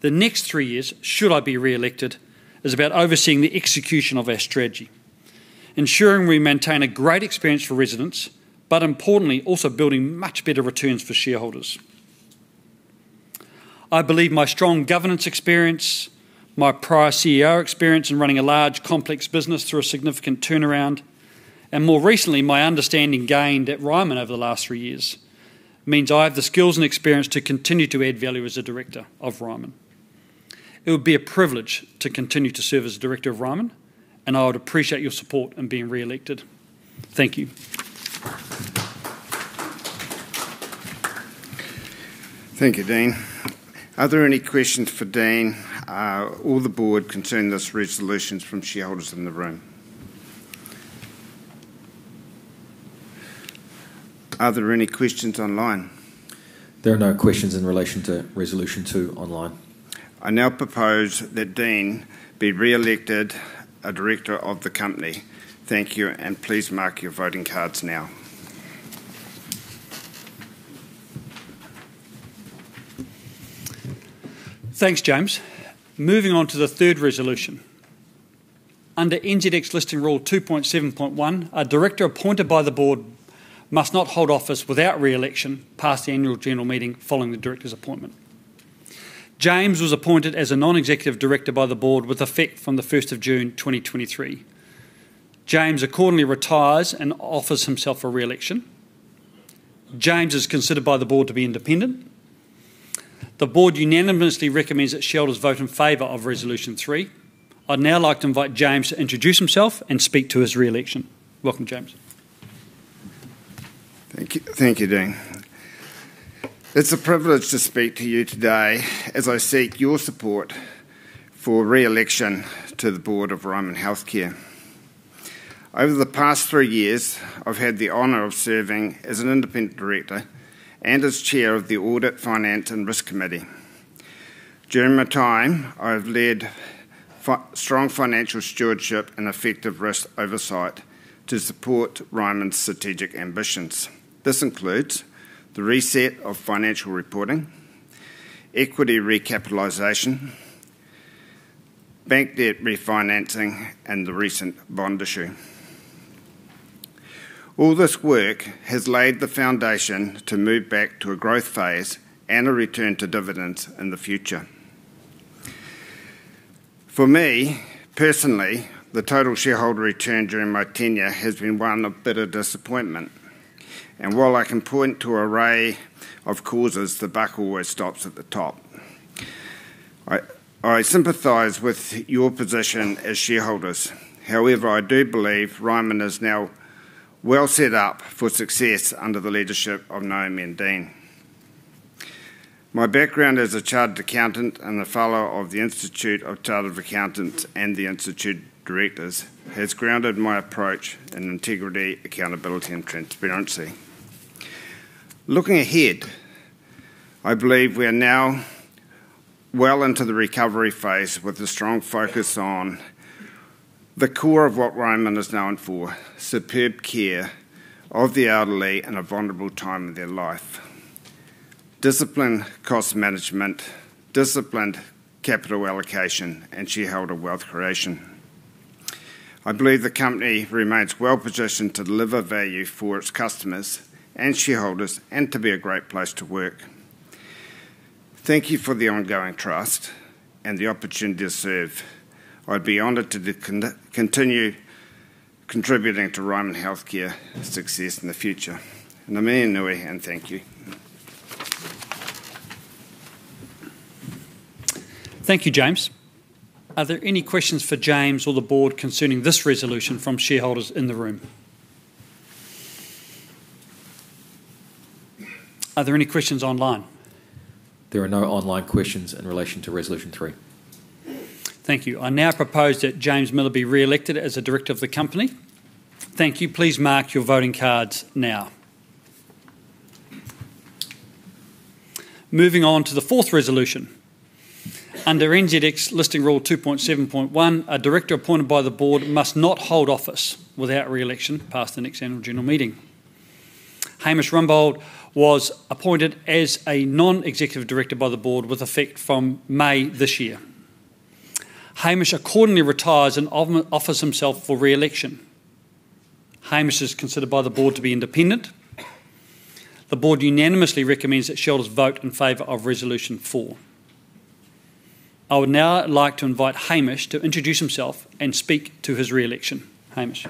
The next three years, should I be re-elected, is about overseeing the execution of our strategy, ensuring we maintain a great experience for residents, but importantly, also building much better returns for shareholders. I believe my strong governance experience, my prior CEO experience in running a large, complex business through a significant turnaround, and more recently, my understanding gained at Ryman over the last three years, means I have the skills and experience to continue to add value as a director of Ryman. It would be a privilege to continue to serve as a director of Ryman, and I would appreciate your support in being re-elected. Thank you. Thank you, Dean. Are there any questions for Dean or the Board concerning these resolutions from shareholders in the room? Are there any questions online? There are no questions in relation to Resolution 2 online. I now propose that Dean be re-elected a director of the company. Thank you, and please mark your voting cards now. Thanks, James. Moving on to the third resolution. Under NZX Listing Rule 2.7.1, a director appointed by the Board must not hold office without re-election past the annual general meeting following the director's appointment. James was appointed as a non-executive director by the Board with effect from the 1st of June 2023. James accordingly retires and offers himself for re-election. James is considered by the Board to be independent. The Board unanimously recommends that shareholders vote in favor of Resolution 3. I'd now like to invite James to introduce himself and speak to his re-election. Welcome, James. Thank you, Dean. It's a privilege to speak to you today as I seek your support for re-election to the Board of Ryman Healthcare. Over the past three years, I've had the honor of serving as an independent director and as Chair of the Audit, Finance and Risk Committee. During my time, I have led strong financial stewardship and effective risk oversight to support Ryman's strategic ambitions. This includes the reset of financial reporting, equity recapitalization, bank debt refinancing, and the recent bond issue. All this work has laid the foundation to move back to a growth phase and a return to dividends in the future. For me, personally, the total shareholder return during my tenure has been one of bitter disappointment. While I can point to array of causes, the buck always stops at the top. I sympathize with your position as shareholders. However, I do believe Ryman is now well set up for success under the leadership of Naomi and Dean. My background as a chartered accountant and a fellow of the Institute of Chartered Accountants and the Institute of Directors has grounded my approach in integrity, accountability, and transparency. Looking ahead, I believe we are now well into the recovery phase with a strong focus on the core of what Ryman is known for, superb care of the elderly in a vulnerable time in their life. Disciplined cost management, disciplined capital allocation, and shareholder wealth creation. I believe the company remains well-positioned to deliver value for its customers and shareholders, and to be a great place to work. Thank you for the ongoing trust and the opportunity to serve. I'd be honored to continue contributing to Ryman Healthcare success in the future. Thank you. Thank you, James. Are there any questions for James or the Board concerning this resolution from shareholders in the room? Are there any questions online? There are no online questions in relation to Resolution 3. Thank you. I now propose that James Miller be re-elected as a director of the company. Thank you. Please mark your voting cards now. Moving on to the fourth resolution. Under NZX Listing Rule 2.7.1, a director appointed by the Board must not hold office without re-election past the next annual general meeting. Hamish Rumbold was appointed as a non-executive director by the Board with effect from May this year. Hamish accordingly retires and offers himself for re-election. Hamish is considered by the Board to be independent. The Board unanimously recommends that shareholders vote in favor of Resolution 4. I would now like to invite Hamish to introduce himself and speak to his re-election. Hamish.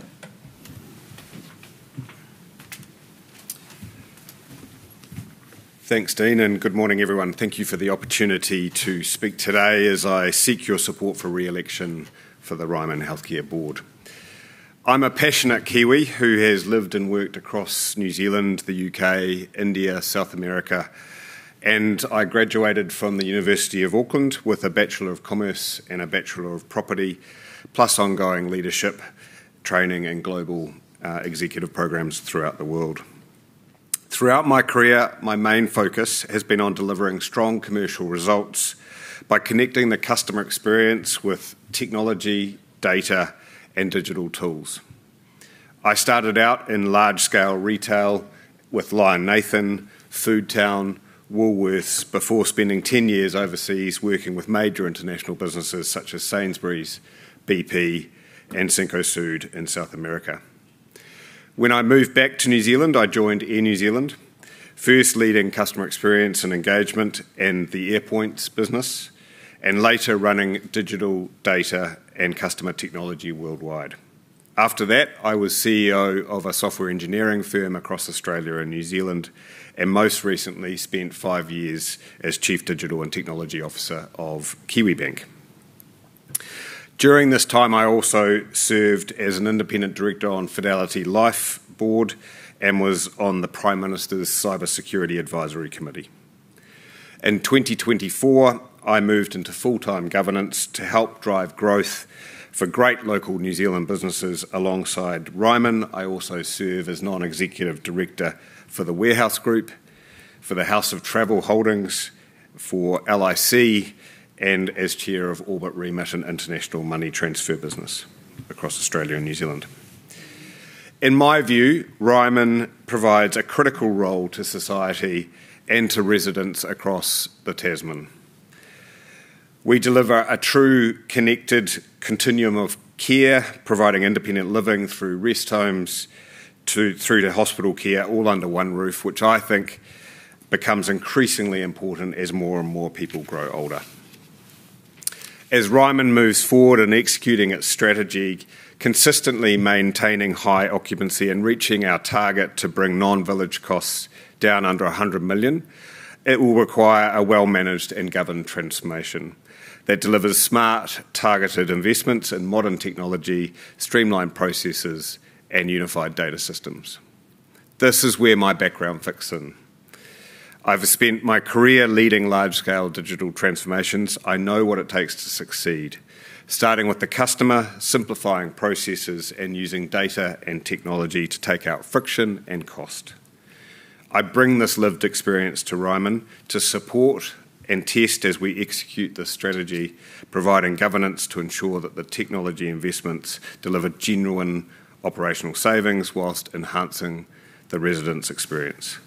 Thanks, Dean. Good morning, everyone. Thank you for the opportunity to speak today as I seek your support for re-election for the Ryman Healthcare Board. I'm a passionate Kiwi who has lived and worked across New Zealand, the U.K., India, South America. I graduated from the University of Auckland with a Bachelor of Commerce and a Bachelor of Property, plus ongoing leadership training and global executive programs throughout the world. Throughout my career, my main focus has been on delivering strong commercial results by connecting the customer experience with technology, data, and digital tools. I started out in large-scale retail with Lion Nathan, Foodtown, Woolworths, before spending 10 years overseas working with major international businesses such as Sainsbury's, BP, and Cencosud in South America. When I moved back to New Zealand, I joined Air New Zealand, first leading customer experience and engagement in the Airpoints business, and later running digital data and customer technology worldwide. After that, I was CEO of a software engineering firm across Australia and New Zealand, and most recently spent five years as Chief Digital and Technology Officer of Kiwibank. During this time, I also served as an independent director on Fidelity Life board and was on the Prime Minister's Cyber Security Advisory Committee. In 2024, I moved into full-time governance to help drive growth for great local New Zealand businesses. Alongside Ryman, I also serve as non-executive director for The Warehouse Group, for the House of Travel Holdings, for LIC, and as Chair of OrbitRemit, an international money transfer business across Australia and New Zealand. In my view, Ryman provides a critical role to society and to residents across the Tasman. We deliver a true connected continuum of care, providing independent living through rest homes through to hospital care, all under one roof, which I think becomes increasingly important as more and more people grow older. As Ryman moves forward in executing its strategy, consistently maintaining high occupancy and reaching our target to bring non-village costs down under 100 million, it will require a well-managed and governed transformation that delivers smart, targeted investments in modern technology, streamlined processes, and unified data systems. This is where my background fits in. I've spent my career leading large-scale digital transformations. I know what it takes to succeed. Starting with the customer, simplifying processes, and using data and technology to take out friction and cost. I bring this lived experience to Ryman to support and test as we execute this strategy, providing governance to ensure that the technology investments deliver genuine operational savings whilst enhancing the resident's experience.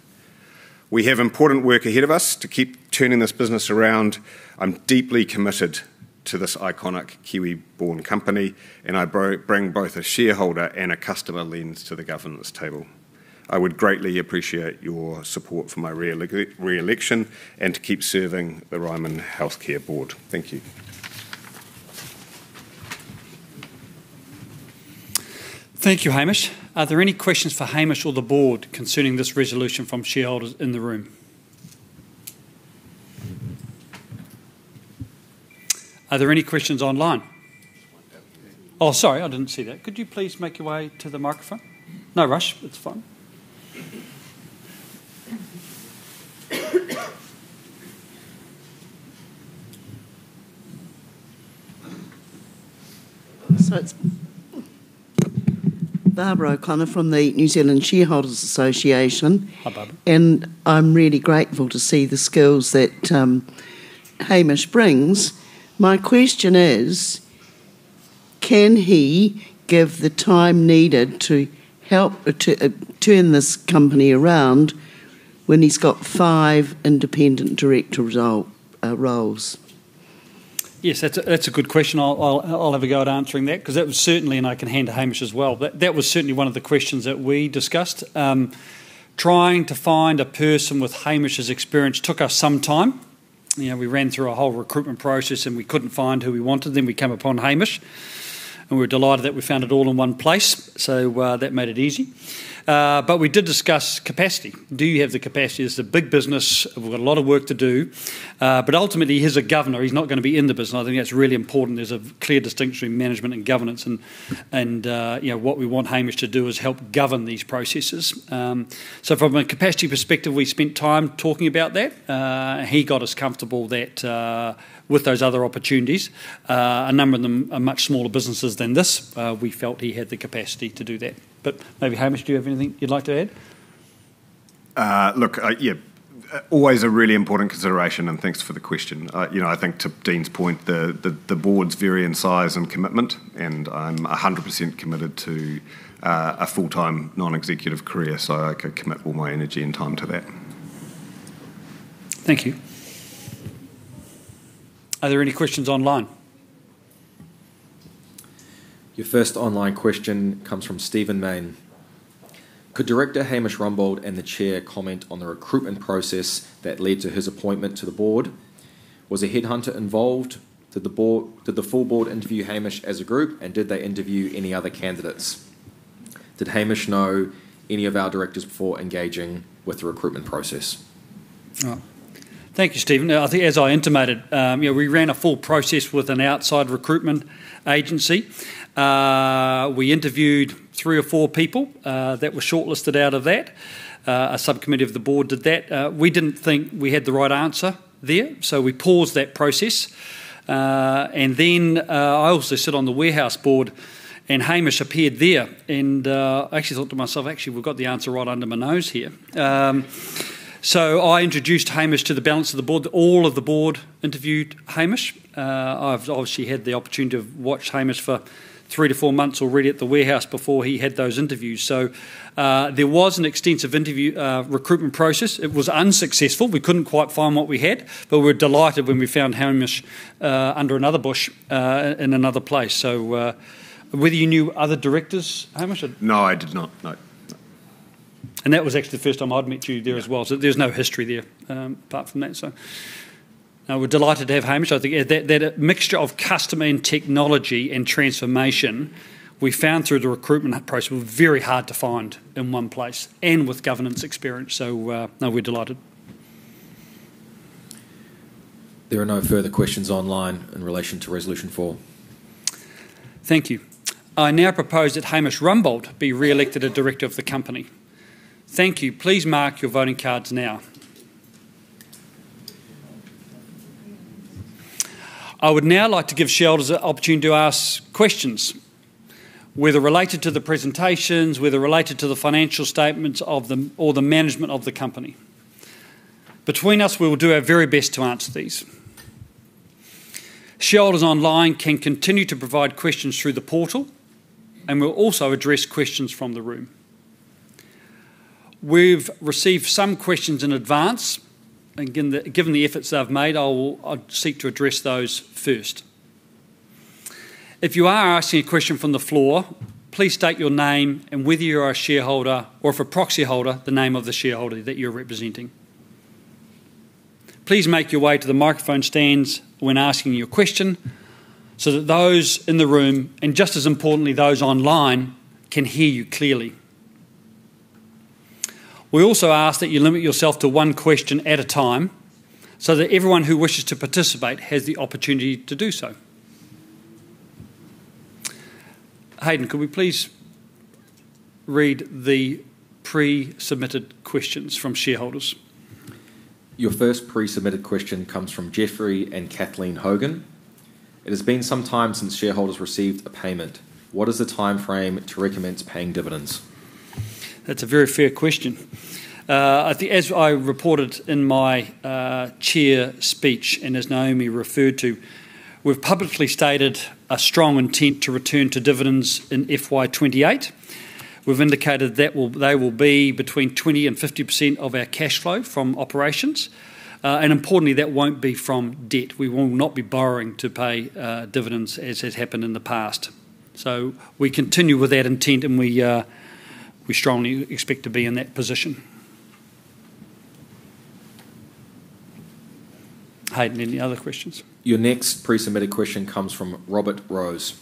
We have important work ahead of us to keep turning this business around. I'm deeply committed to this iconic Kiwi-born company, and I bring both a shareholder and a customer lens to the governance table. I would greatly appreciate your support for my re-election and to keep serving the Ryman Healthcare Board. Thank you. Thank you, Hamish. Are there any questions for Hamish or the Board concerning this resolution from shareholders in the room? Are there any questions online? There's one down there. Oh, sorry, I didn't see that. Could you please make your way to the microphone? No rush. It's fine. It's Barbara O'Connell from the New Zealand Shareholders Association. Hi, Barbara. I'm really grateful to see the skills that Hamish brings. My question is, can he give the time needed to help turn this company around when he's got five independent director roles? Yes, that's a good question. I'll have a go at answering that because that was certainly, and I can hand to Hamish as well, but that was certainly one of the questions that we discussed. Trying to find a person with Hamish's experience took us some time. We ran through a whole recruitment process, and we couldn't find who we wanted. We came upon Hamish, and we were delighted that we found it all in one place. That made it easy. We did discuss capacity. Do you have the capacity? This is a big business. We've got a lot of work to do. Ultimately, he's a governor. He's not going to be in the business. I think that's really important. There's a clear distinction between management and governance, and what we want Hamish to do is help govern these processes. From a capacity perspective, we spent time talking about that. He got us comfortable that with those other opportunities, a number of them are much smaller businesses than this. We felt he had the capacity to do that. Maybe, Hamish, do you have anything you'd like to add? Look, yeah. Always a really important consideration, and thanks for the question. I think to Dean's point, the boards vary in size and commitment, and I'm 100% committed to a full-time non-executive career, so I can commit all my energy and time to that. Thank you. Are there any questions online? Your first online question comes from Stephen Mayne. Could Director Hamish Rumbold and the Chair comment on the recruitment process that led to his appointment to the Board? Was a headhunter involved? Did the full Board interview Hamish as a group, and did they interview any other candidates? Did Hamish know any of our directors before engaging with the recruitment process? Thank you, Stephen. I think as I intimated, we ran a full process with an outside recruitment agency. We interviewed three or four people that were shortlisted out of that. A subcommittee of the Board did that. We didn't think we had the right answer there, we paused that process. I also sit on the Warehouse Board, and Hamish appeared there. I actually thought to myself, "Actually, we've got the answer right under my nose here." I introduced Hamish to the balance of the Board. All of the Board interviewed Hamish. I've obviously had the opportunity to watch Hamish for three to four months already at the Warehouse before he had those interviews. There was an extensive interview recruitment process. It was unsuccessful. We couldn't quite find what we had, but we were delighted when we found Hamish under another bush, in another place. Whether you knew other directors, Hamish? No, I did not. No. That was actually the first time I'd met you there as well. There's no history there apart from that. We're delighted to have Hamish. I think that mixture of customer and technology and transformation, we found through the recruitment approach were very hard to find in one place and with governance experience. No, we're delighted. There are no further questions online in relation to Resolution 4. Thank you. I now propose that Hamish Rumbold be re-elected a director of the company. Thank you. Please mark your voting cards now. I would now like to give shareholders the opportunity to ask questions, whether related to the presentations, whether related to the financial statements or the management of the company. Between us, we will do the very best to answer these. Shareholders online can continue to provide questions through the portal. We'll also address questions from the room. We've received some questions in advance, and given the efforts they've made, I'll seek to address those first. If you are asking a question from the floor, please state your name and whether you're a shareholder, or if a proxy holder, the name of the shareholder that you're representing. Please make your way to the microphone stands when asking your question so that those in the room, and just as importantly, those online, can hear you clearly. We also ask that you limit yourself to one question at a time so that everyone who wishes to participate has the opportunity to do so. Hayden, could we please read the pre-submitted questions from shareholders? Your first pre-submitted question comes from Jeffrey and Kathleen Hogan. "It has been some time since shareholders received a payment. What is the timeframe to recommence paying dividends?" That's a very fair question. As I reported in my Chair speech, and as Naomi referred to, we've publicly stated a strong intent to return to dividends in FY 2028. We've indicated they will be between 20% and 50% of our cash flow from operations. Importantly, that won't be from debt. We will not be borrowing to pay dividends as has happened in the past. We continue with that intent, and we strongly expect to be in that position. Hayden, any other questions? Your next pre-submitted question comes from [Robert Rose].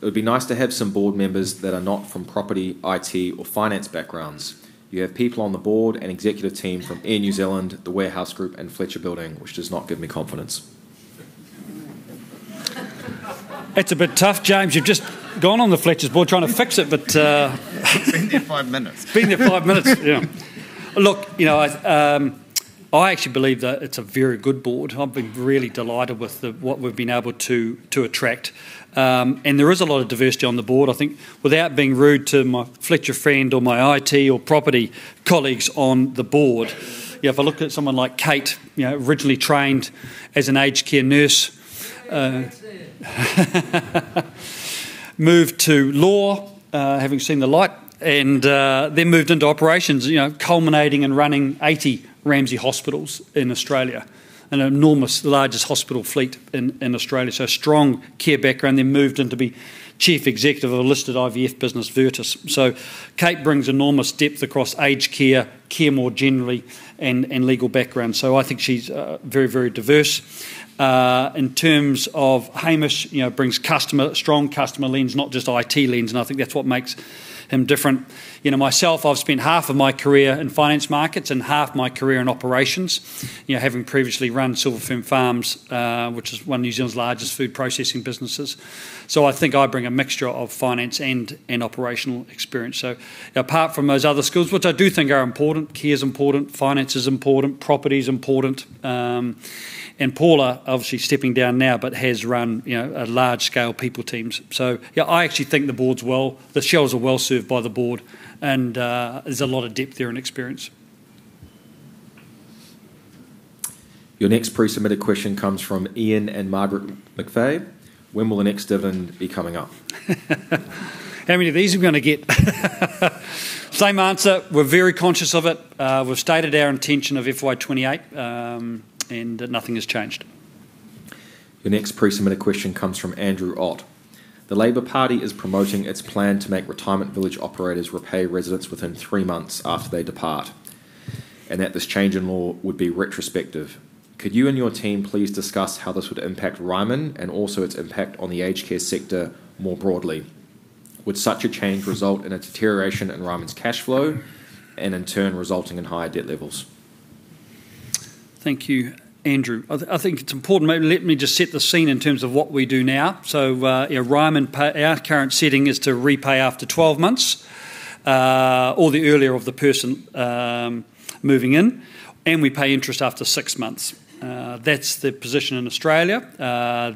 "It would be nice to have some board members that are not from property, IT, or finance backgrounds. You have people on the Board and executive team from Air New Zealand, The Warehouse Group, and Fletcher Building, which does not give me confidence. That's a bit tough, James. You've just gone on the Fletcher's board trying to fix it. Been there five minutes. Been there five minutes, yeah. Look, I actually believe that it's a very good board. I've been really delighted with what we've been able to attract. There is a lot of diversity on the Board. I think without being rude to my Fletcher friend or my IT or property colleagues on the Board, if I look at someone like Kate, originally trained as an aged care nurse. Hear, hear. Moved to law, having seen the light, then moved into operations, culminating in running 80 Ramsay hospitals in Australia, an enormous, the largest hospital fleet in Australia. Strong care background, then moved into be Chief Executive of a listed IVF business, Virtus. Kate brings enormous depth across aged care more generally, and legal background. I think she's very, very diverse. In terms of Hamish, brings strong customer lens, not just IT lens, I think that's what makes him different. Myself, I've spent half of my career in finance markets and half my career in operations, having previously run Silver Fern Farms, which is one of New Zealand's largest food processing businesses. I think I bring a mixture of finance and operational experience. Apart from those other skills, which I do think are important, care's important, finance is important, property's important. Paula, obviously stepping down now, has run large-scale people teams. Yeah, I actually think the shareholders are well-served by the Board, there's a lot of depth there and experience. Your next pre-submitted question comes from Ian and Margaret McFay. "When will the next dividend be coming up?" How many of these are we going to get? Same answer. We're very conscious of it. We've stated our intention of FY 2028, nothing has changed. The next pre-submitted question comes from Andrew Ott. "The Labour Party is promoting its plan to make retirement village operators repay residents within three months after they depart, and that this change in law would be retrospective. Could you and your team please discuss how this would impact Ryman and also its impact on the aged care sector more broadly? Would such a change result in a deterioration in Ryman's cash flow and in turn resulting in higher debt levels?" Thank you, Andrew. I think it's important. Maybe let me just set the scene in terms of what we do now. Ryman, our current setting is to repay after 12 months, or the earlier of the person moving in, and we pay interest after six months. That's the position in Australia.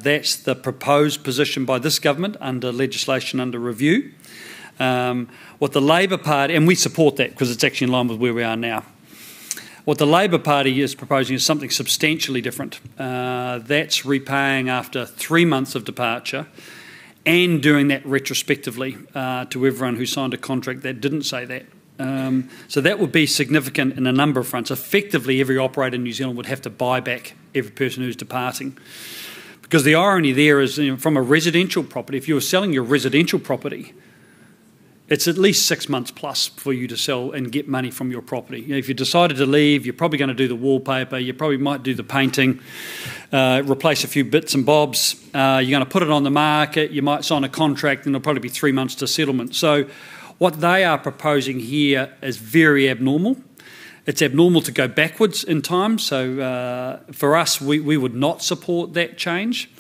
That's the proposed position by this government under legislation under review. We support that because it's actually in line with where we are now. What the Labour Party is proposing is something substantially different. That's repaying after three months of departure and doing that retrospectively to everyone who signed a contract that didn't say that. That would be significant in a number of fronts. Effectively, every operator in New Zealand would have to buy back every person who's departing. The irony there is from a residential property, if you were selling your residential property, it's at least six months plus for you to sell and get money from your property. If you decided to leave, you're probably going to do the wallpaper, you probably might do the painting, replace a few bits and bobs. You're going to put it on the market. You might sign a contract, and it'll probably be three months to settlement. What they are proposing here is very abnormal. It's abnormal to go backwards in time. For us, we would not support that change.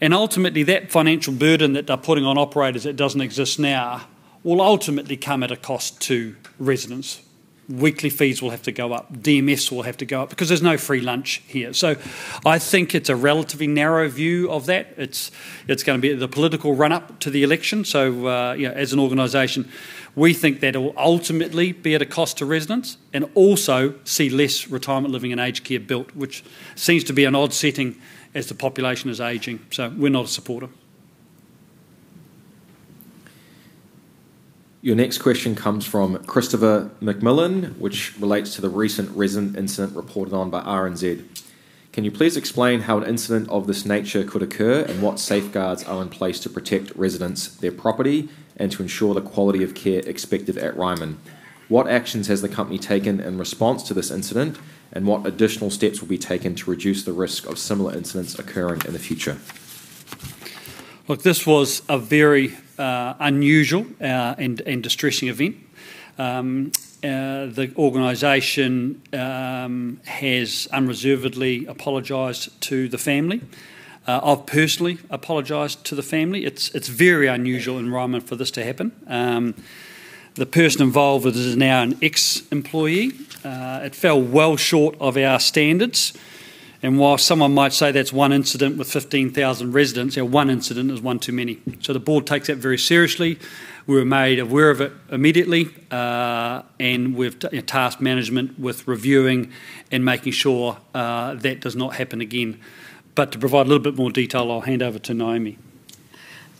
Ultimately, that financial burden that they're putting on operators that doesn't exist now will ultimately come at a cost to residents. Weekly fees will have to go up. DMFs will have to go up because there's no free lunch here. I think it's a relatively narrow view of that. It's going to be the political run-up to the election, as an organization, we think that'll ultimately be at a cost to residents and also see less retirement living and aged care built, which seems to be an odd setting as the population is aging. We're not a supporter. Your next question comes from [Christopher McMillan], which relates to the recent incident reported on by RNZ. "Can you please explain how an incident of this nature could occur and what safeguards are in place to protect residents, their property, and to ensure the quality of care expected at Ryman? What actions has the company taken in response to this incident, and what additional steps will be taken to reduce the risk of similar incidents occurring in the future? Look, this was a very unusual and distressing event. The organization has unreservedly apologized to the family. I've personally apologized to the family. It's very unusual in Ryman for this to happen. The person involved is now an ex-employee. It fell well short of our standards. While someone might say that's one incident with 15,000 residents, one incident is one too many. The Board takes that very seriously. We were made aware of it immediately, and we've tasked management with reviewing and making sure that does not happen again. To provide a little bit more detail, I'll hand over to Naomi.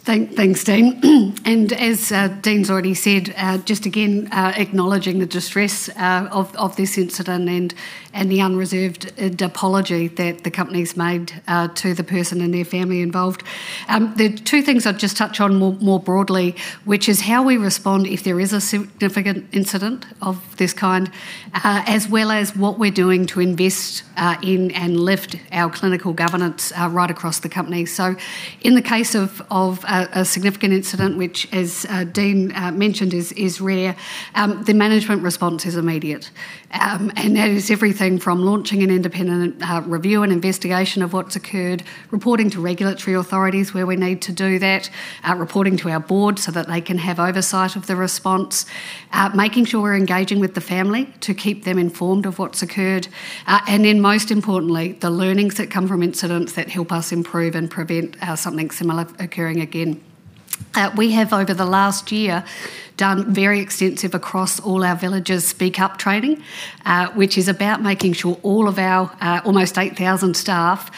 Thanks, Dean. As Dean's already said, just again, acknowledging the distress of this incident and the unreserved apology that the company's made to the person and their family involved. The two things I'll just touch on more broadly, which is how we respond if there is a significant incident of this kind, as well as what we're doing to invest in and lift our clinical governance right across the company. In the case of a significant incident, which, as Dean mentioned, is rare, the management response is immediate. That is everything from launching an independent review and investigation of what's occurred, reporting to regulatory authorities where we need to do that. Reporting to our board so that they can have oversight of the response. Making sure we're engaging with the family to keep them informed of what's occurred. Most importantly, the learnings that come from incidents that help us improve and prevent something similar occurring again. We have, over the last year, done very extensive, across all our villages, speak up training. Which is about making sure all of our almost 8,000 staff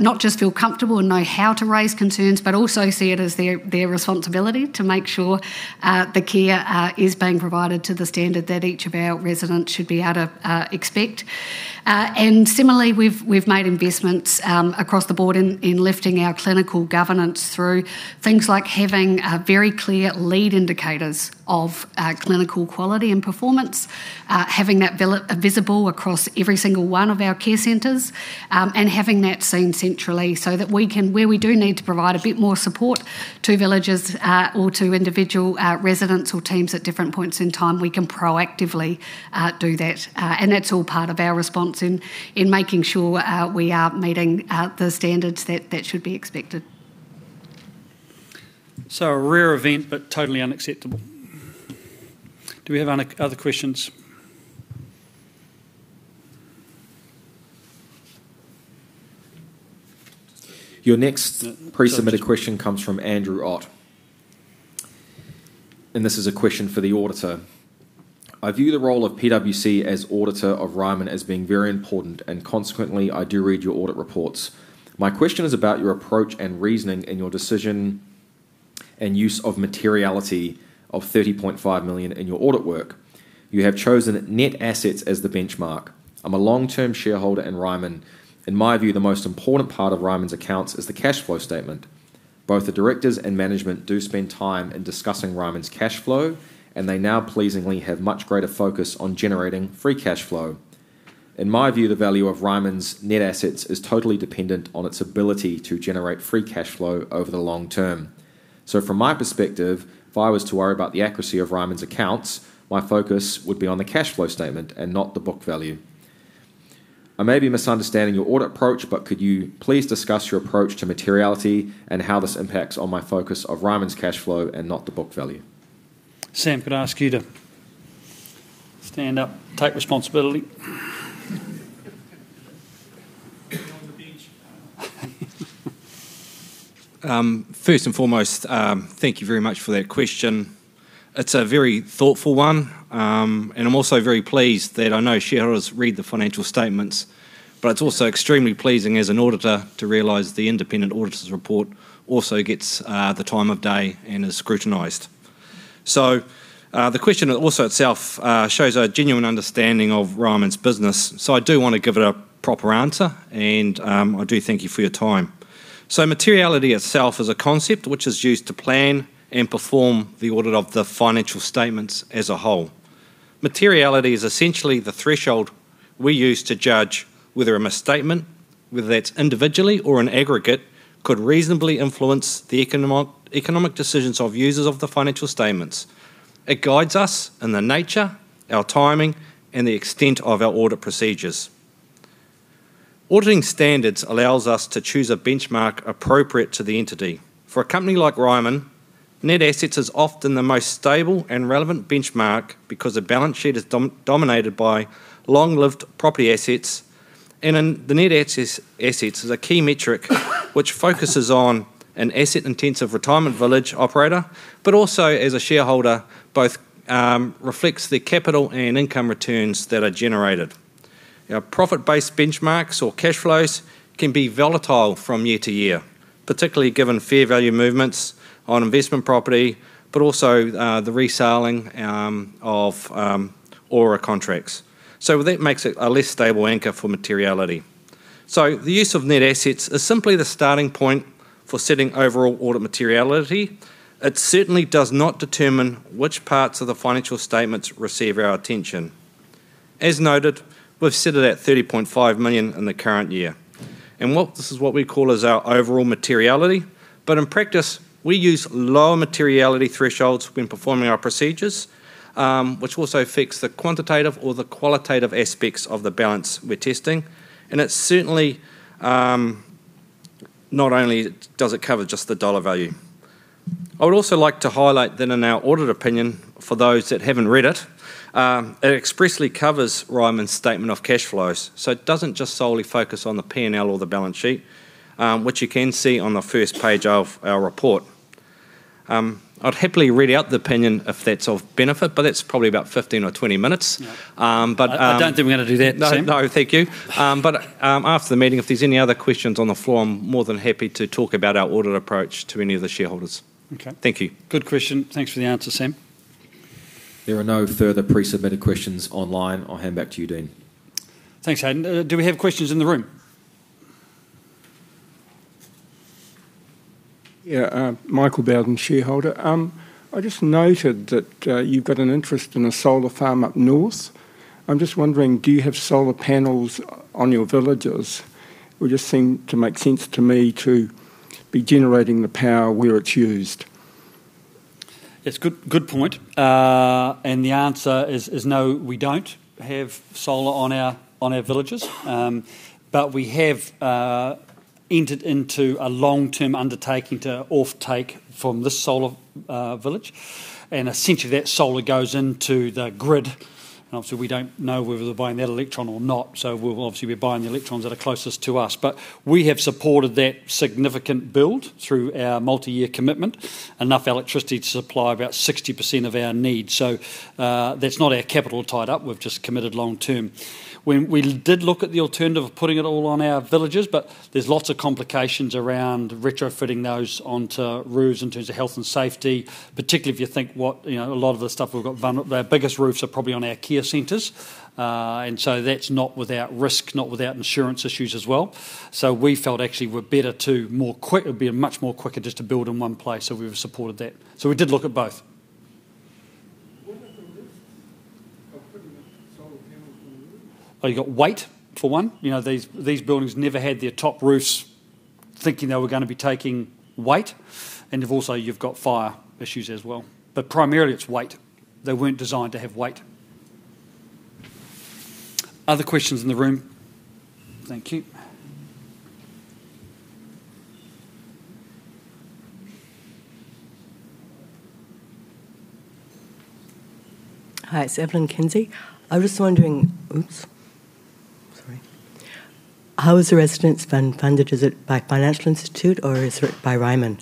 not just feel comfortable and know how to raise concerns, but also see it as their responsibility to make sure the care is being provided to the standard that each of our residents should be able to expect. Similarly, we've made investments across the board in lifting our clinical governance through things like having very clear lead indicators of clinical quality and performance. Having that visible across every single one of our care centers, having that seen centrally, so that where we do need to provide a bit more support to villages or to individual residents or teams at different points in time, we can proactively do that. That's all part of our response in making sure we are meeting the standards that should be expected. A rare event, but totally unacceptable. Do we have other questions? Your next pre-submitted question comes from Andrew Ott, this is a question for the auditor. "I view the role of PwC as auditor of Ryman as being very important, and consequently, I do read your audit reports. My question is about your approach and reasoning in your decision and use of materiality of 30.5 million in your audit work. You have chosen net assets as the benchmark. I'm a long-term shareholder in Ryman. In my view, the most important part of Ryman's accounts is the cash flow statement. Both the directors and management do spend time in discussing Ryman's cash flow, and they now pleasingly have much greater focus on generating free cash flow. In my view, the value of Ryman's net assets is totally dependent on its ability to generate free cash flow over the long term. From my perspective, if I was to worry about the accuracy of Ryman's accounts, my focus would be on the cash flow statement and not the book value. I may be misunderstanding your audit approach, but could you please discuss your approach to materiality and how this impacts on my focus of Ryman's cash flow and not the book value? Sam, could I ask you to stand up, take responsibility? First and foremost, thank you very much for that question. It's a very thoughtful one, and I'm also very pleased that I know shareholders read the financial statements. It's also extremely pleasing as an auditor to realize the independent auditor's report also gets the time of day and is scrutinized. The question also itself shows a genuine understanding of Ryman's business. I do want to give it a proper answer, and I do thank you for your time. Materiality itself is a concept which is used to plan and perform the audit of the financial statements as a whole. Materiality is essentially the threshold we use to judge whether a misstatement, whether that's individually or in aggregate, could reasonably influence the economic decisions of users of the financial statements. It guides us in the nature, our timing, and the extent of our audit procedures. Auditing standards allows us to choose a benchmark appropriate to the entity. For a company like Ryman, net assets is often the most stable and relevant benchmark because the balance sheet is dominated by long-lived property assets. The net assets is a key metric which focuses on an asset-intensive retirement village operator, but also, as a shareholder, both reflects the capital and income returns that are generated. Profit-based benchmarks or cash flows can be volatile from year to year, particularly given fair value movements on investment property, but also the reselling of ORA contracts. That makes it a less stable anchor for materiality. The use of net assets is simply the starting point for setting overall audit materiality. It certainly does not determine which parts of the financial statements receive our attention. As noted, we've set it at 30.5 million in the current year, and this is what we call as our overall materiality. In practice, we use lower materiality thresholds when performing our procedures, which also affects the quantitative or the qualitative aspects of the balance we're testing. I would also like to highlight that in our audit opinion, for those that haven't read it expressly covers Ryman's statement of cash flows. It doesn't just solely focus on the P&L or the balance sheet, which you can see on the first page of our report. I'd happily read out the opinion if that's of benefit, but that's probably about 15 or 20 minutes. I don't think we're going to do that, Sam. No, thank you. After the meeting, if there's any other questions on the floor, I'm more than happy to talk about our audit approach to any of the shareholders. Okay. Thank you. Good question. Thanks for the answer, Sam. There are no further pre-submitted questions online. I'll hand back to you, Dean. Thanks, Hayden. Do we have questions in the room? Yeah, Michael Bowden, shareholder. I just noted that you've got an interest in a solar farm up north. I'm just wondering, do you have solar panels on your villages? It would just seem to make sense to me to be generating the power where it's used. It's good point. The answer is no, we don't have solar on our villages. We have entered into a long-term undertaking to off-take from this solar village, and essentially that solar goes into the grid. Obviously, we don't know whether we're buying that electron or not, so obviously we're buying the electrons that are closest to us. We have supported that significant build through our multi-year commitment, enough electricity to supply about 60% of our needs. That's not our capital tied up, we've just committed long term. We did look at the alternative of putting it all on our villages, but there's lots of complications around retrofitting those onto roofs in terms of health and safety, particularly if you think what a lot of the stuff we've got. Our biggest roofs are probably on our care centers. That's not without risk, not without insurance issues as well. We felt actually it would be much more quicker just to build in one place, we've supported that. We did look at both. [inaudible] You've got weight, for one. These buildings never had their top roofs thinking they were going to be taking weight, and also you've got fire issues as well. Primarily it's weight. They weren't designed to have weight. Other questions in the room? Thank you. Hi, it's [Evelyn Kinsey]. I was wondering, oops, sorry. How is the residence funded? Is it backed by financial institute or is it by Ryman?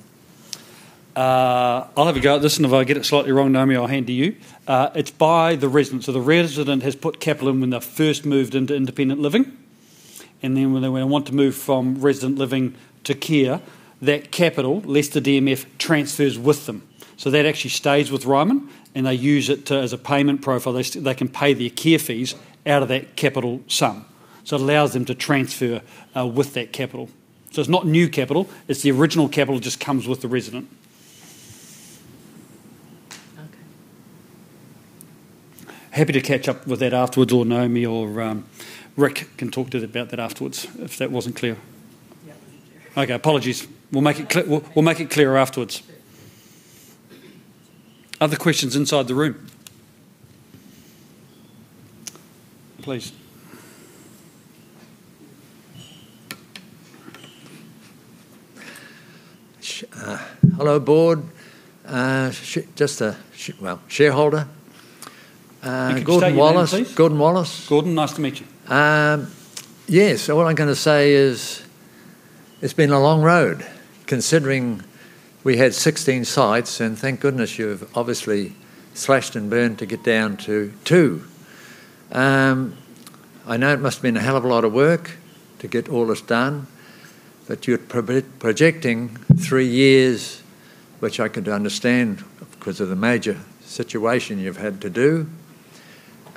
I'll have a go at this, if I get it slightly wrong, Naomi, I'll hand to you. It's by the resident. The resident has put capital in when they first moved into independent living. Then when they want to move from resident living to care, that capital, less the DMF, transfers with them. That actually stays with Ryman, and they use it as a payment profile. They can pay their care fees out of that capital sum. It allows them to transfer with that capital. It's not new capital, it's the original capital, it just comes with the resident. [inaudible] Happy to catch up with that afterwards with Naomi or Rick can talk about that afterwards if that wasn't clear. [inaudible] Okay, apologies. We'll make it clear afterwards. Other questions inside the room? Please. Hello, board. Just a, well, shareholder. You can state your name please. Gordon Wallace. Gordon, nice to meet you. Yes. All I'm going to say is it's been a long road considering we had 16 sites. Thank goodness you've obviously slashed and burned to get down to two. I know it must have been a hell of a lot of work to get all this done. You're projecting three years, which I can understand because of the major situation you've had to do.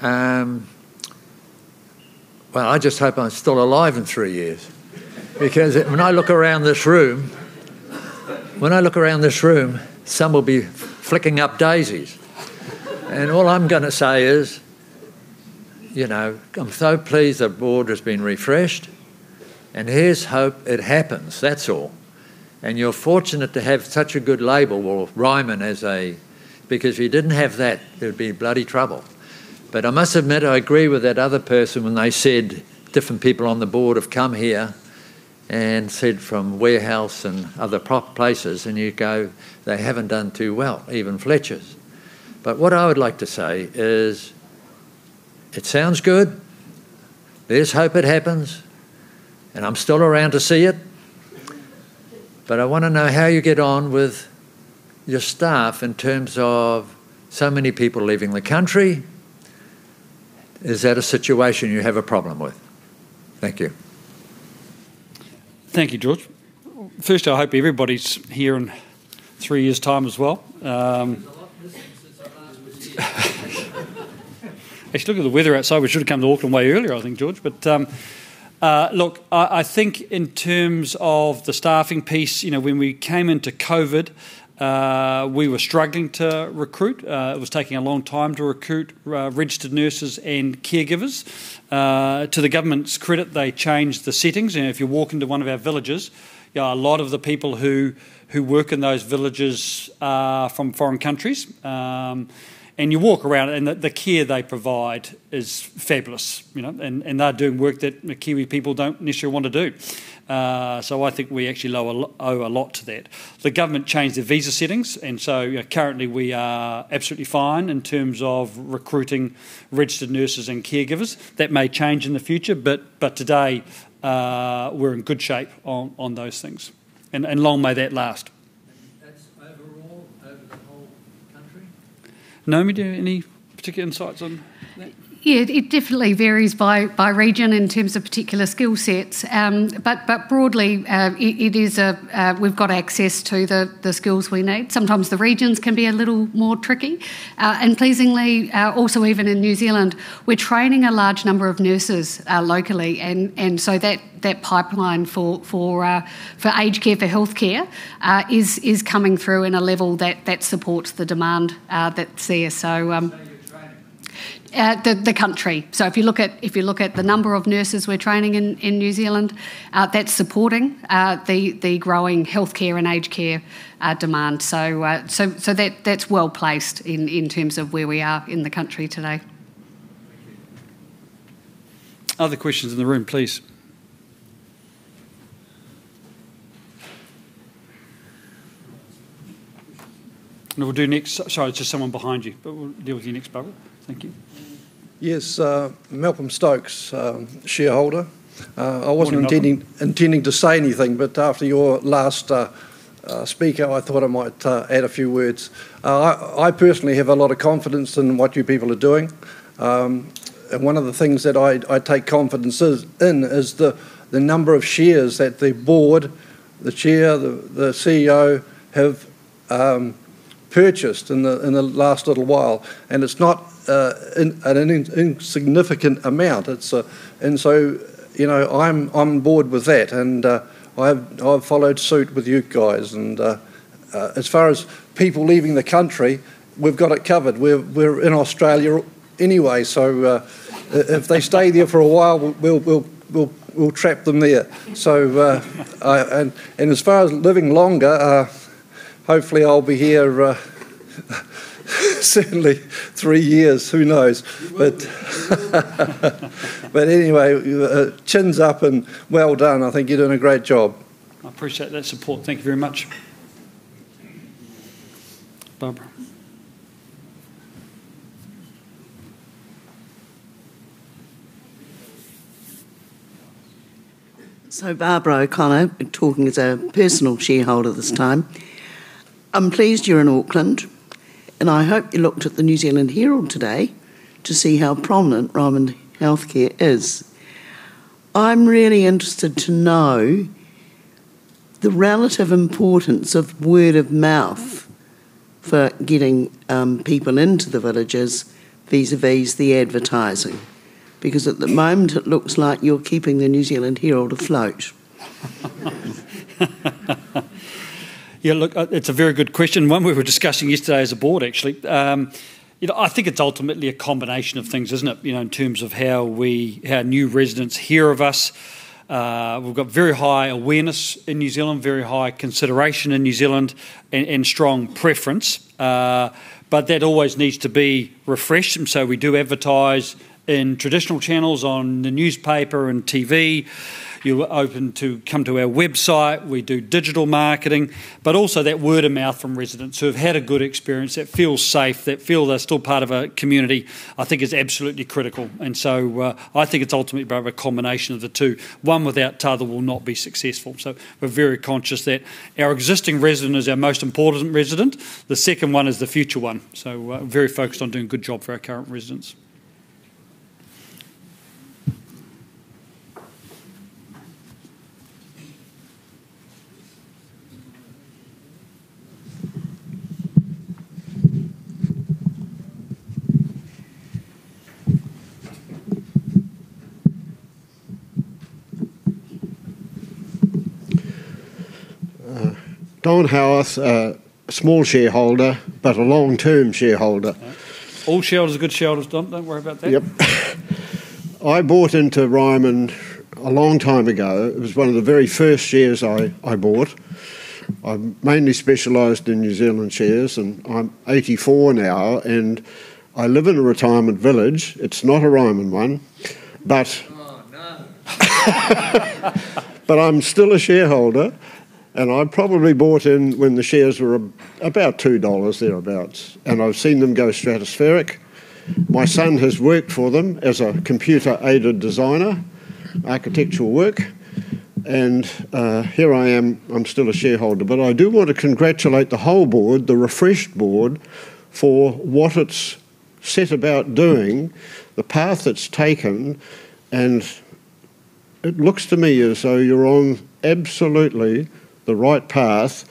Well, I just hope I'm still alive in three years. When I look around this room, some will be flicking up daisies. All I'm going to say is, I'm so pleased the board has been refreshed, and here's hope it happens. That's all. You're fortunate to have such a good label with Ryman. If you didn't have that, there'd be bloody trouble. I must admit, I agree with that other person when they said different people on the Board have come here and said from Warehouse and other places. You go, "They haven't done too well," even Fletchers. What I would like to say is it sounds good. There's hope it happens, and I'm still around to see it. I want to know how you get on with your staff in terms of so many people leaving the country. Is that a situation you have a problem with? Thank you. Thank you, [Gordon]. First, I hope everybody's here in three years' time as well. Actually, look at the weather outside. We should've come to Auckland way earlier, I think, [Gordon]. Look, I think in terms of the staffing piece, when we came into COVID, we were struggling to recruit. It was taking a long time to recruit registered nurses and caregivers. To the government's credit, they changed the settings, if you walk into one of our villages, a lot of the people who work in those villages are from foreign countries. You walk around, and the care they provide is fabulous. They're doing work that Kiwi people don't necessarily want to do. I think we actually owe a lot to that. The government changed the visa settings, currently we are absolutely fine in terms of recruiting registered nurses and caregivers. That may change in the future, today we're in good shape on those things. Long may that last. Over the whole country? Naomi, do you have any particular insights on that? Yeah. It definitely varies by region in terms of particular skill sets. Broadly, we've got access to the skills we need. Sometimes the regions can be a little more tricky. Pleasingly, also even in New Zealand, we're training a large number of nurses locally, and so that pipeline for aged care, for healthcare, is coming through in a level that supports the demand that's there. The country. If you look at the number of nurses we're training in New Zealand, that's supporting the growing healthcare and aged care demand. That's well-placed in terms of where we are in the country today. Thank you. Other questions in the room, please. We'll do Nick. Sorry, just someone behind you. We'll deal with you next, Barbara. Thank you. Yes. [Malcolm Stokes], shareholder. Morning, [Malcolm]. I wasn't intending to say anything, but after your last speaker, I thought I might add a few words. I personally have a lot of confidence in what you people are doing. One of the things that I take confidence in is the number of shares that the Board, the Chair, the CEO, have purchased in the last little while. It's not an insignificant amount. I'm on board with that, and I've followed suit with you guys. As far as people leaving the country, we've got it covered. We're in Australia anyway, so if they stay there for a while, we'll trap them there. As far as living longer, hopefully I'll be here certainly three years. Who knows? Anyway, chins up and well done. I think you're doing a great job. I appreciate that support. Thank you very much. Barbara. Barbara O'Connell. Talking as a personal shareholder this time. I'm pleased you're in Auckland, and I hope you looked at The New Zealand Herald today to see how prominent Ryman Healthcare is. I'm really interested to know the relative importance of word of mouth for getting people into the villages, vis-à-vis the advertising. Because at the moment it looks like you're keeping The New Zealand Herald afloat. Yeah, look, it's a very good question, one we were discussing yesterday as a board, actually. I think it's ultimately a combination of things, isn't it, in terms of how new residents hear of us. We've got very high awareness in New Zealand, very high consideration in New Zealand, and strong preference. That always needs to be refreshed, we do advertise in traditional channels, on the newspaper and TV. You're open to come to our website. We do digital marketing. Also, that word of mouth from residents who have had a good experience, that feel safe, that feel they're still part of a community, I think is absolutely critical. I think it's ultimately about a combination of the two. One without t'other will not be successful, so we're very conscious that our existing resident is our most important resident. The second one is the future one. Very focused on doing a good job for our current residents. [Don Howarth]. A small shareholder, a long-term shareholder. All shareholders are good shareholders, [Don]. Don't worry about that. I bought into Ryman a long time ago. It was one of the very first shares I bought. I mainly specialized in New Zealand shares. I'm 84 now, I live in a retirement village. It's not a Ryman one. I'm still a shareholder, I probably bought in when the shares were about 2 dollars, thereabouts, I've seen them go stratospheric. My son has worked for them as a computer-aided designer, architectural work. Here I am, I'm still a shareholder. I do want to congratulate the whole board, the refreshed board, for what it's set about doing, the path it's taken. It looks to me as though you're on absolutely the right path,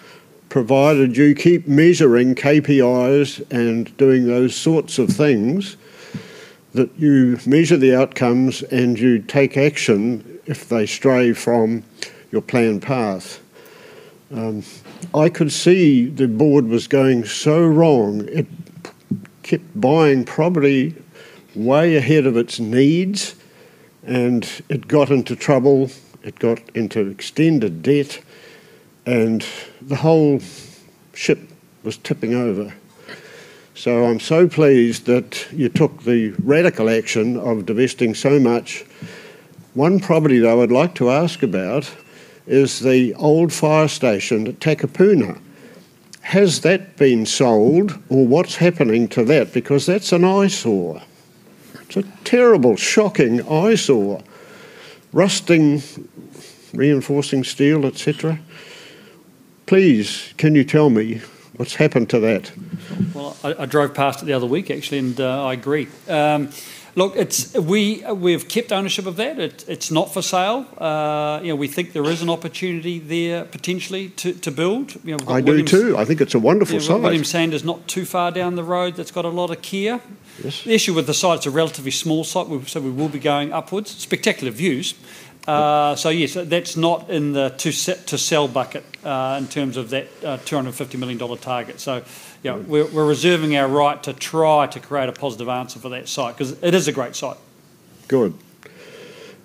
provided you keep measuring KPIs and doing those sorts of things, that you measure the outcomes and you take action if they stray from your planned path. I could see the Board was going so wrong. It kept buying property way ahead of its needs. It got into trouble. It got into extended debt. The whole ship was tipping over. I'm so pleased that you took the radical action of divesting so much. One property, though, I'd like to ask about is the old fire station at Takapuna. Has that been sold, or what's happening to that? Because that's an eyesore. It's a terrible, shocking eyesore. Rusting, reinforcing steel, et cetera. Please, can you tell me what's happened to that? Well, I drove past it the other week actually. I agree. Look, we've kept ownership of that. It's not for sale. We think there is an opportunity there potentially to build. I do too. I think it's a wonderful site. We've got William Sanders is not too far down the road, that's got a lot of care. Yes. The issue with the site, it's a relatively small site. We will be going upwards. Spectacular views. Good. Yes, that's not in the to sell bucket, in terms of that 250 million dollar target. We're reserving our right to try to create a positive answer for that site, because it is a great site. Good.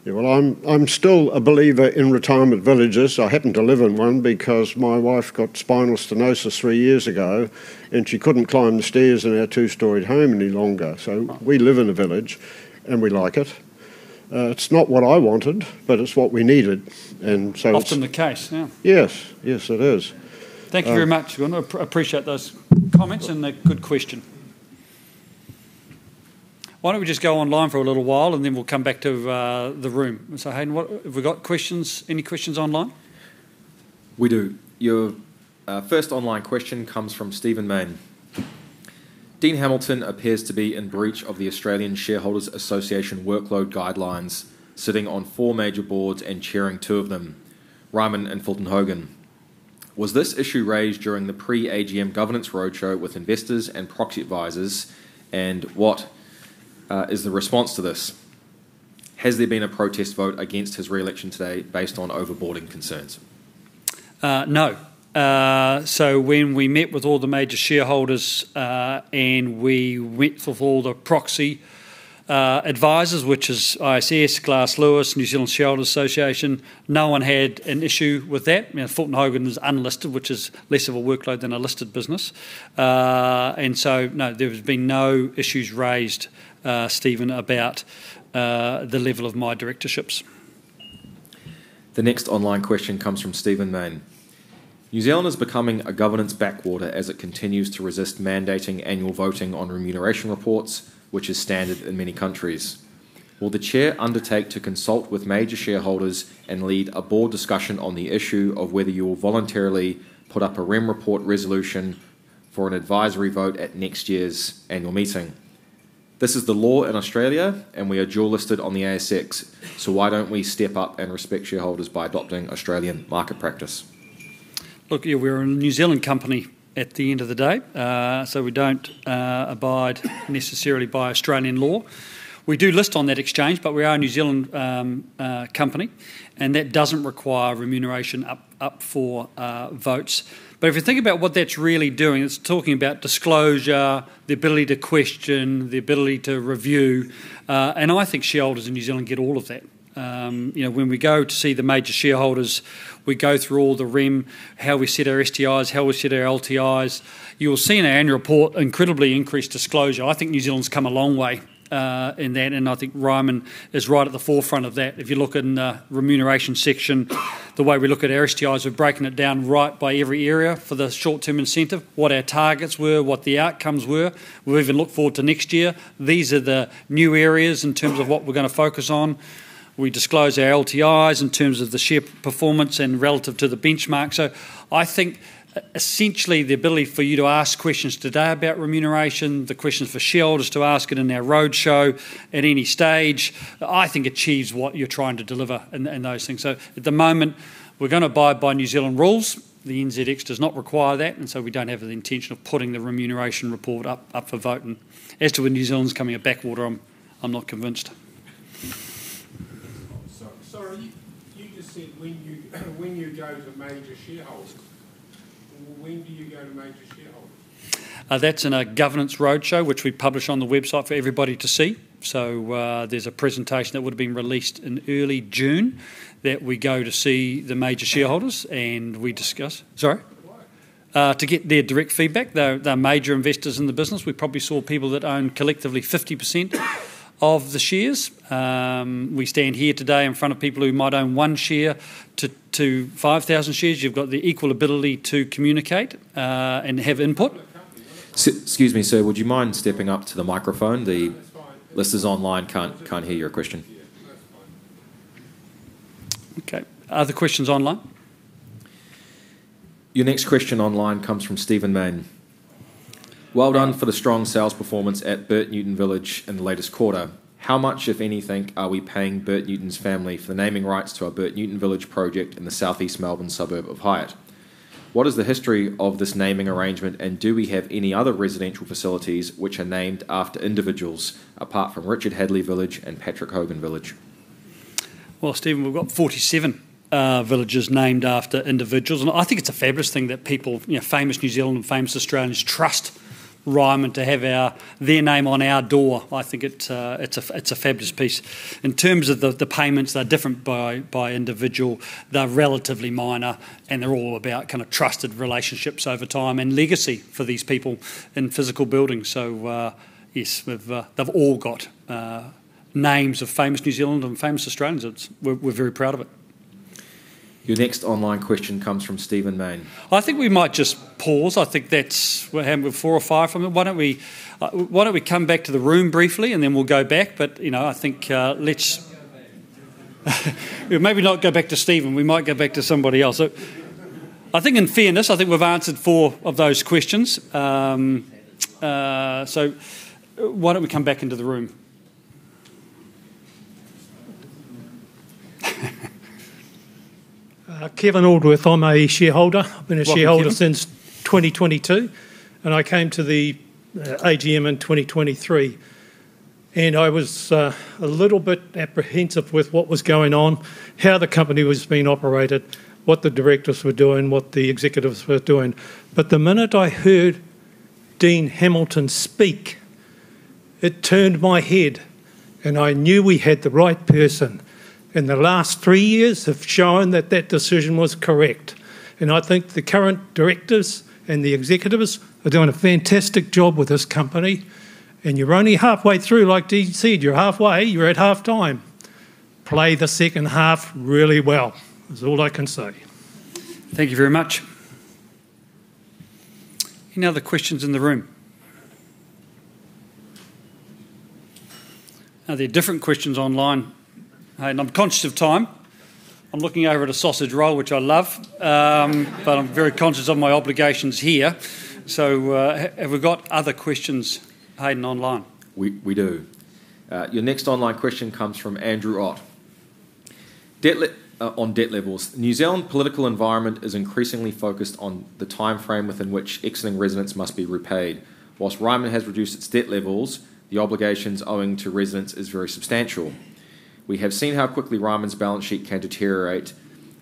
Yeah, well, I'm still a believer in retirement villages. I happen to live in one because my wife got spinal stenosis three years ago, and she couldn't climb the stairs in our two-story home any longer. Right. We live in a village, and we like it. It's not what I wanted, but it's what we needed. Often the case, yeah. Yes. Yes, it is. Thank you very much. I appreciate those comments and the good question. Why don't we just go online for a little while, and then we'll come back to the room. Hayden, have we got questions, any questions online? We do. Your first online question comes from Stephen Mayne. "Dean Hamilton appears to be in breach of the Australian Shareholders' Association workload guidelines, sitting on four major boards and chairing two of them, Ryman and Fulton Hogan. Was this issue raised during the pre-AGM governance roadshow with investors and proxy advisors, and what is the response to this? Has there been a protest vote against his re-election today based on over-boarding concerns?" No. When we met with all the major shareholders, and we went through all the proxy advisors, which is ISS, Glass Lewis, New Zealand Shareholders' Association, no one had an issue with that. Fulton Hogan is unlisted, which is less of a workload than a listed business. No, there has been no issues raised, Stephen, about the level of my directorships. The next online question comes from Stephen Mayne. "New Zealand is becoming a governance backwater as it continues to resist mandating annual voting on remuneration reports, which is standard in many countries. Will the Chair undertake to consult with major shareholders and lead a board discussion on the issue of whether you will voluntarily put up a rem report resolution for an advisory vote at next year's annual meeting? This is the law in Australia, and we are dual-listed on the ASX, why don't we step up and respect shareholders by adopting Australian market practice?" Yeah, we're a New Zealand company at the end of the day. We don't abide necessarily by Australian law. We do list on that exchange, but we are a New Zealand company, and that doesn't require remuneration up for votes. If you think about what that's really doing, it's talking about disclosure, the ability to question, the ability to review. I think shareholders in New Zealand get all of that. When we go to see the major shareholders, we go through all the rem, how we set our STIs, how we set our LTIs. You will see in our annual report incredibly increased disclosure. I think New Zealand's come a long way in that, and I think Ryman is right at the forefront of that. If you look in the remuneration section, the way we look at our STIs, we're breaking it down right by every area for the short-term incentive. What our targets were, what the outcomes were. We'll even look forward to next year. These are the new areas in terms of what we're going to focus on. We disclose our LTIs in terms of the share performance and relative to the benchmark. I think essentially the ability for you to ask questions today about remuneration, the questions for shareholders to ask it in our roadshow at any stage, I think achieves what you're trying to deliver in those things. At the moment, we're going to abide by New Zealand rules. The NZX does not require that, we don't have the intention of putting the remuneration report up for vote. As to whether New Zealand's becoming a backwater, I'm not convinced. Sorry. You just said when you go to major shareholders. When [inaudible] That's in a governance roadshow, which we publish on the website for everybody to see. There's a presentation that would have been released in early June, that we go to see the major shareholders, and we discuss. Sorry? [inaudible] To get their direct feedback. They're major investors in the business. We probably saw people that own collectively 50% of the shares. We stand here today in front of people who might own one share to 5,000 shares. You've got the equal ability to communicate, and have input. Excuse me, sir. Would you mind stepping up to the microphone? The listeners online can't hear your question. Okay. Other questions online? Your next question online comes from Stephen Mayne. "Well done for the strong sales performance at Bert Newton Village in the latest quarter. How much, if anything, are we paying Bert Newton's family for the naming rights to our Bert Newton Village project in the southeast Melbourne suburb of Highett? What is the history of this naming arrangement, and do we have any other residential facilities which are named after individuals, apart from Richard Hadlee Village and Patrick Hogan Village?" Well, Stephen, we've got 47 villages named after individuals. I think it's a fabulous thing that people, famous New Zealand and famous Australians, trust Ryman to have their name on our door. I think it's a fabulous piece. In terms of the payments, they're different by individual. They're relatively minor, and they're all about kind of trusted relationships over time and legacy for these people in physical buildings. Yes, they've all got names of famous New Zealand and famous Australians. We're very proud of it. Your next online question comes from Stephen Mayne. I think we might just pause. I think we're having about four or five from him. Why don't we come back to the room briefly, and then we'll go back. I think, let's—maybe not go back to Stephen. We might go back to somebody else. I think in fairness, I think we've answered four of those questions. Why don't we come back into the room? [Kevin Aldworth]. I'm a shareholder. Welcome, Kevin. I've been a shareholder since 2022, I came to the AGM in 2023. I was a little bit apprehensive with what was going on, how the company was being operated, what the directors were doing, what the executives were doing. The minute I heard Dean Hamilton speak, it turned my head, and I knew we had the right person. The last three years have shown that that decision was correct. I think the current directors and the executives are doing a fantastic job with this company, and you're only halfway through. Like Dean said, you're halfway, you're at halftime. Play the second half really well, is all I can say. Thank you very much. Any other questions in the room? There are different questions online. Hayden, I'm conscious of time. I'm looking over at a sausage roll, which I love. I'm very conscious of my obligations here. Have we got other questions, Hayden, online? We do. Your next online question comes from Andrew Ott. "On debt levels. New Zealand political environment is increasingly focused on the timeframe within which existing residents must be repaid. Whilst Ryman has reduced its debt levels, the obligations owing to residents is very substantial. We have seen how quickly Ryman's balance sheet can deteriorate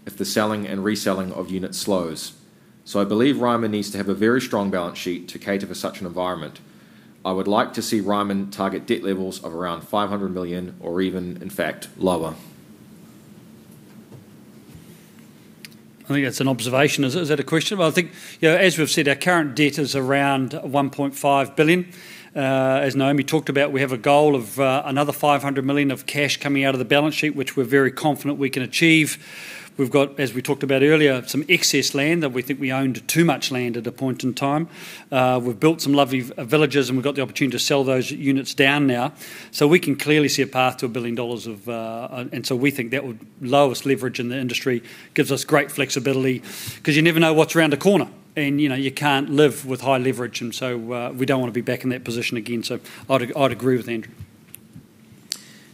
if the selling and reselling of units slows. I believe Ryman needs to have a very strong balance sheet to cater for such an environment. I would like to see Ryman target debt levels of around 500 million or even, in fact, lower." I think that's an observation. Is that a question? I think, as we've said, our current debt is around 1.5 billion. As Naomi talked about, we have a goal of another 500 million of cash coming out of the balance sheet, which we're very confident we can achieve. We've got, as we talked about earlier, some excess land that we think we owned too much land at a point in time. We've built some lovely villages, and we've got the opportunity to sell those units down now. We can clearly see a path to 1 billion dollars of, we think that would, lowest leverage in the industry, gives us great flexibility. You never know what's around the corner, and you can't live with high leverage. We don't want to be back in that position again. I'd agree with Andrew.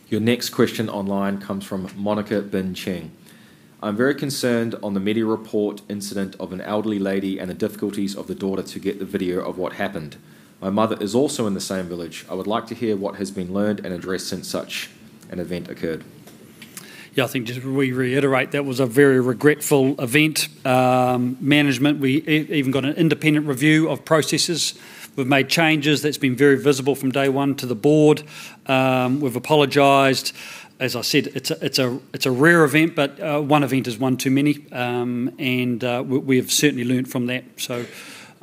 Your next question online comes from Monica [Bin] Chang. "I'm very concerned on the media report incident of an elderly lady and the difficulties of the daughter to get the video of what happened. My mother is also in the same village. I would like to hear what has been learned and addressed since such an event occurred." Yeah, I think just we reiterate, that was a very regretful event. Management, we even got an independent review of processes. We've made changes. That's been very visible from day one to the Board. We've apologized. As I said, it's a rare event, but one event is one too many. We have certainly learned from that.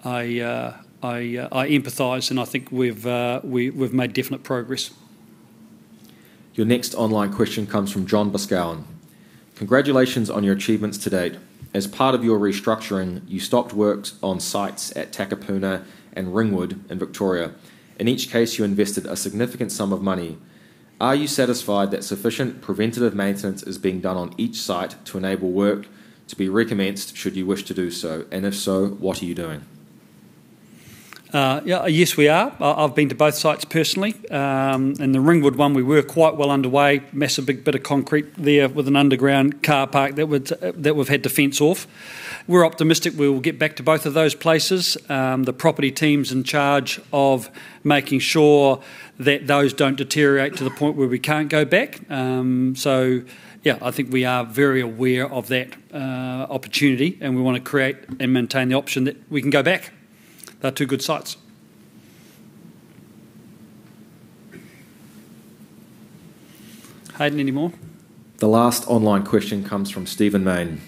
I empathize, and I think we've made definite progress. Your next online question comes from John Boscawen. "Congratulations on your achievements to date. As part of your restructuring, you stopped works on sites at Takapuna and Ringwood in Victoria. In each case, you invested a significant sum of money. Are you satisfied that sufficient preventative maintenance is being done on each site to enable work to be recommenced should you wish to do so? If so, what are you doing?" Yes, we are. I've been to both sites personally. In the Ringwood one, we were quite well underway. Massive big bit of concrete there with an underground car park that we've had to fence off. We're optimistic we will get back to both of those places. The property team's in charge of making sure that those don't deteriorate to the point where we can't go back. Yeah, I think we are very aware of that opportunity, and we want to create and maintain the option that we can go back. They're two good sites. Hayden, any more? The last online question comes from Stephen Mayne.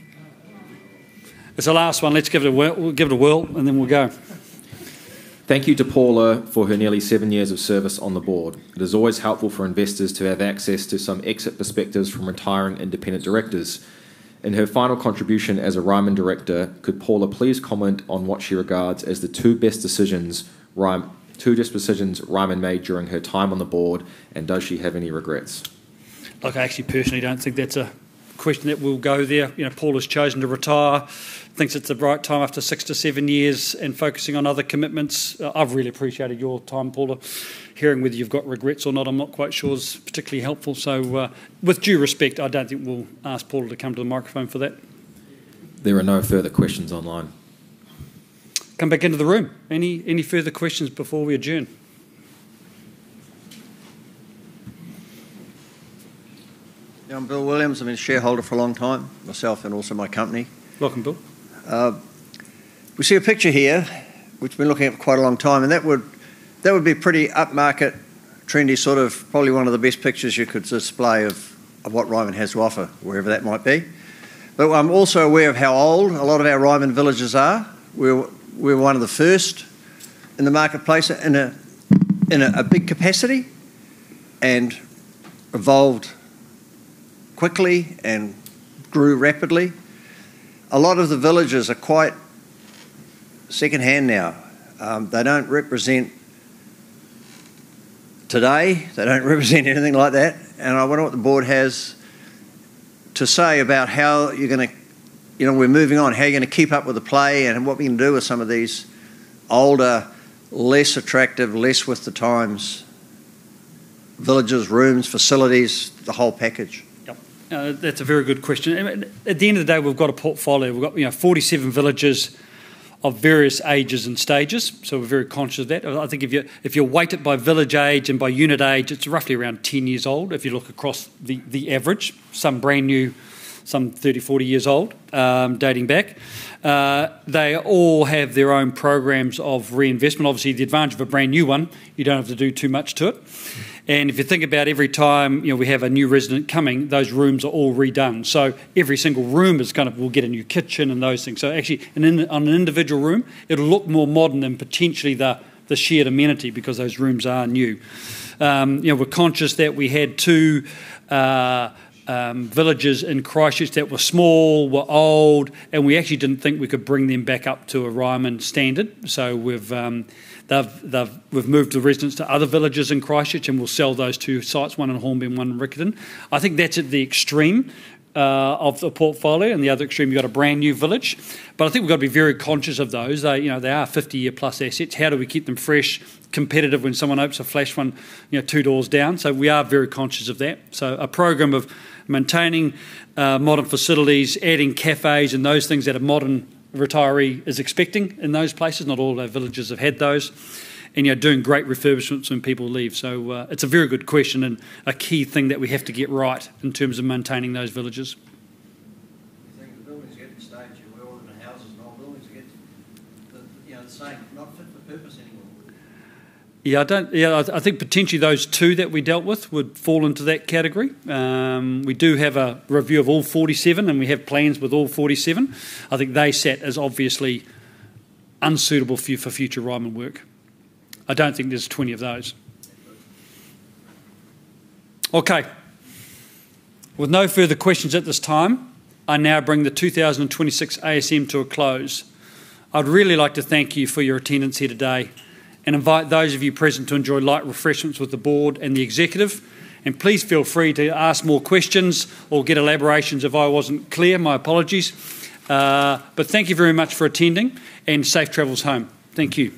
It's the last one. Let's give it a whirl, and then we'll go. Thank you to Paula for her nearly seven years of service on the Board. It is always helpful for investors to have access to some exit perspectives from retiring independent directors. In her final contribution as a Ryman director, could Paula please comment on what she regards as the two best decisions Ryman made during her time on the Board, and does she have any regrets? Look, I actually personally don't think that's a question that will go there. Paula's chosen to retire, thinks it's the right time after six to seven years and focusing on other commitments. I've really appreciated your time, Paula. Hearing whether you've got regrets or not, I'm not quite sure is particularly helpful. With due respect, I don't think we'll ask Paula to come to the microphone for that. There are no further questions online. Come back into the room. Any further questions before we adjourn? Yeah, I'm [Bill Williams]. I've been a shareholder for a long time, myself and also my company. Welcome, [Bill]. We see a picture here which we've been looking at for quite a long time, that would be pretty up-market, trendy sort of, probably one of the best pictures you could display of what Ryman has to offer, wherever that might be. I'm also aware of how old a lot of our Ryman villages are. We're one of the first in the marketplace in a big capacity. Evolved quickly and grew rapidly. A lot of the villages are quite secondhand now. They don't represent today. They don't represent anything like that. I wonder what the Board has to say about how you're going to keep up with the play and what we can do with some of these older, less attractive, less with the times villages, rooms, facilities, the whole package? That's a very good question. We've got a portfolio. We've got 47 villages of various ages and stages, so we're very conscious of that. I think if you weight it by village age and by unit age, it's roughly around 10 years old, if you look across the average. Some brand new, some 30, 40 years old, dating back. They all have their own programs of reinvestment. Obviously, the advantage of a brand new one, you don't have to do too much to it. If you think about every time we have a new resident coming, those rooms are all redone. Every single room will get a new kitchen and those things. Actually, on an individual room, it'll look more modern than potentially the shared amenity because those rooms are new. We're conscious that we had two villages in Christchurch that were small, were old, and we actually didn't think we could bring them back up to a Ryman standard. We've moved the residents to other villages in Christchurch, and we'll sell those two sites, one in Hornby and one in Riccarton. I think that's at the extreme of the portfolio. In the other extreme, you've got a brand new village. I think we've got to be very conscious of those. They are 50-year-plus assets. How do we keep them fresh, competitive when someone opens a flash one two doors down? We are very conscious of that. A program of maintaining modern facilities, adding cafes and those things that a modern retiree is expecting in those places. Not all of our villages have had those. Doing great refurbishments when people leave. It's a very good question and a key thing that we have to get right in terms of maintaining those villages. Do you think the buildings get to the stage where all the houses and old buildings get to the same not fit for purpose anymore? Yeah, I think potentially those two that we dealt with would fall into that category. We do have a review of all 47, and we have plans with all 47. I think they sat as obviously unsuitable for future Ryman work. I don't think there's 20 of those. Okay. With no further questions at this time, I now bring the 2026 ASM to a close. I'd really like to thank you for your attendance here today and invite those of you present to enjoy light refreshments with the Board and the executive. Please feel free to ask more questions or get elaborations if I wasn't clear. My apologies. Thank you very much for attending, and safe travels home. Thank you.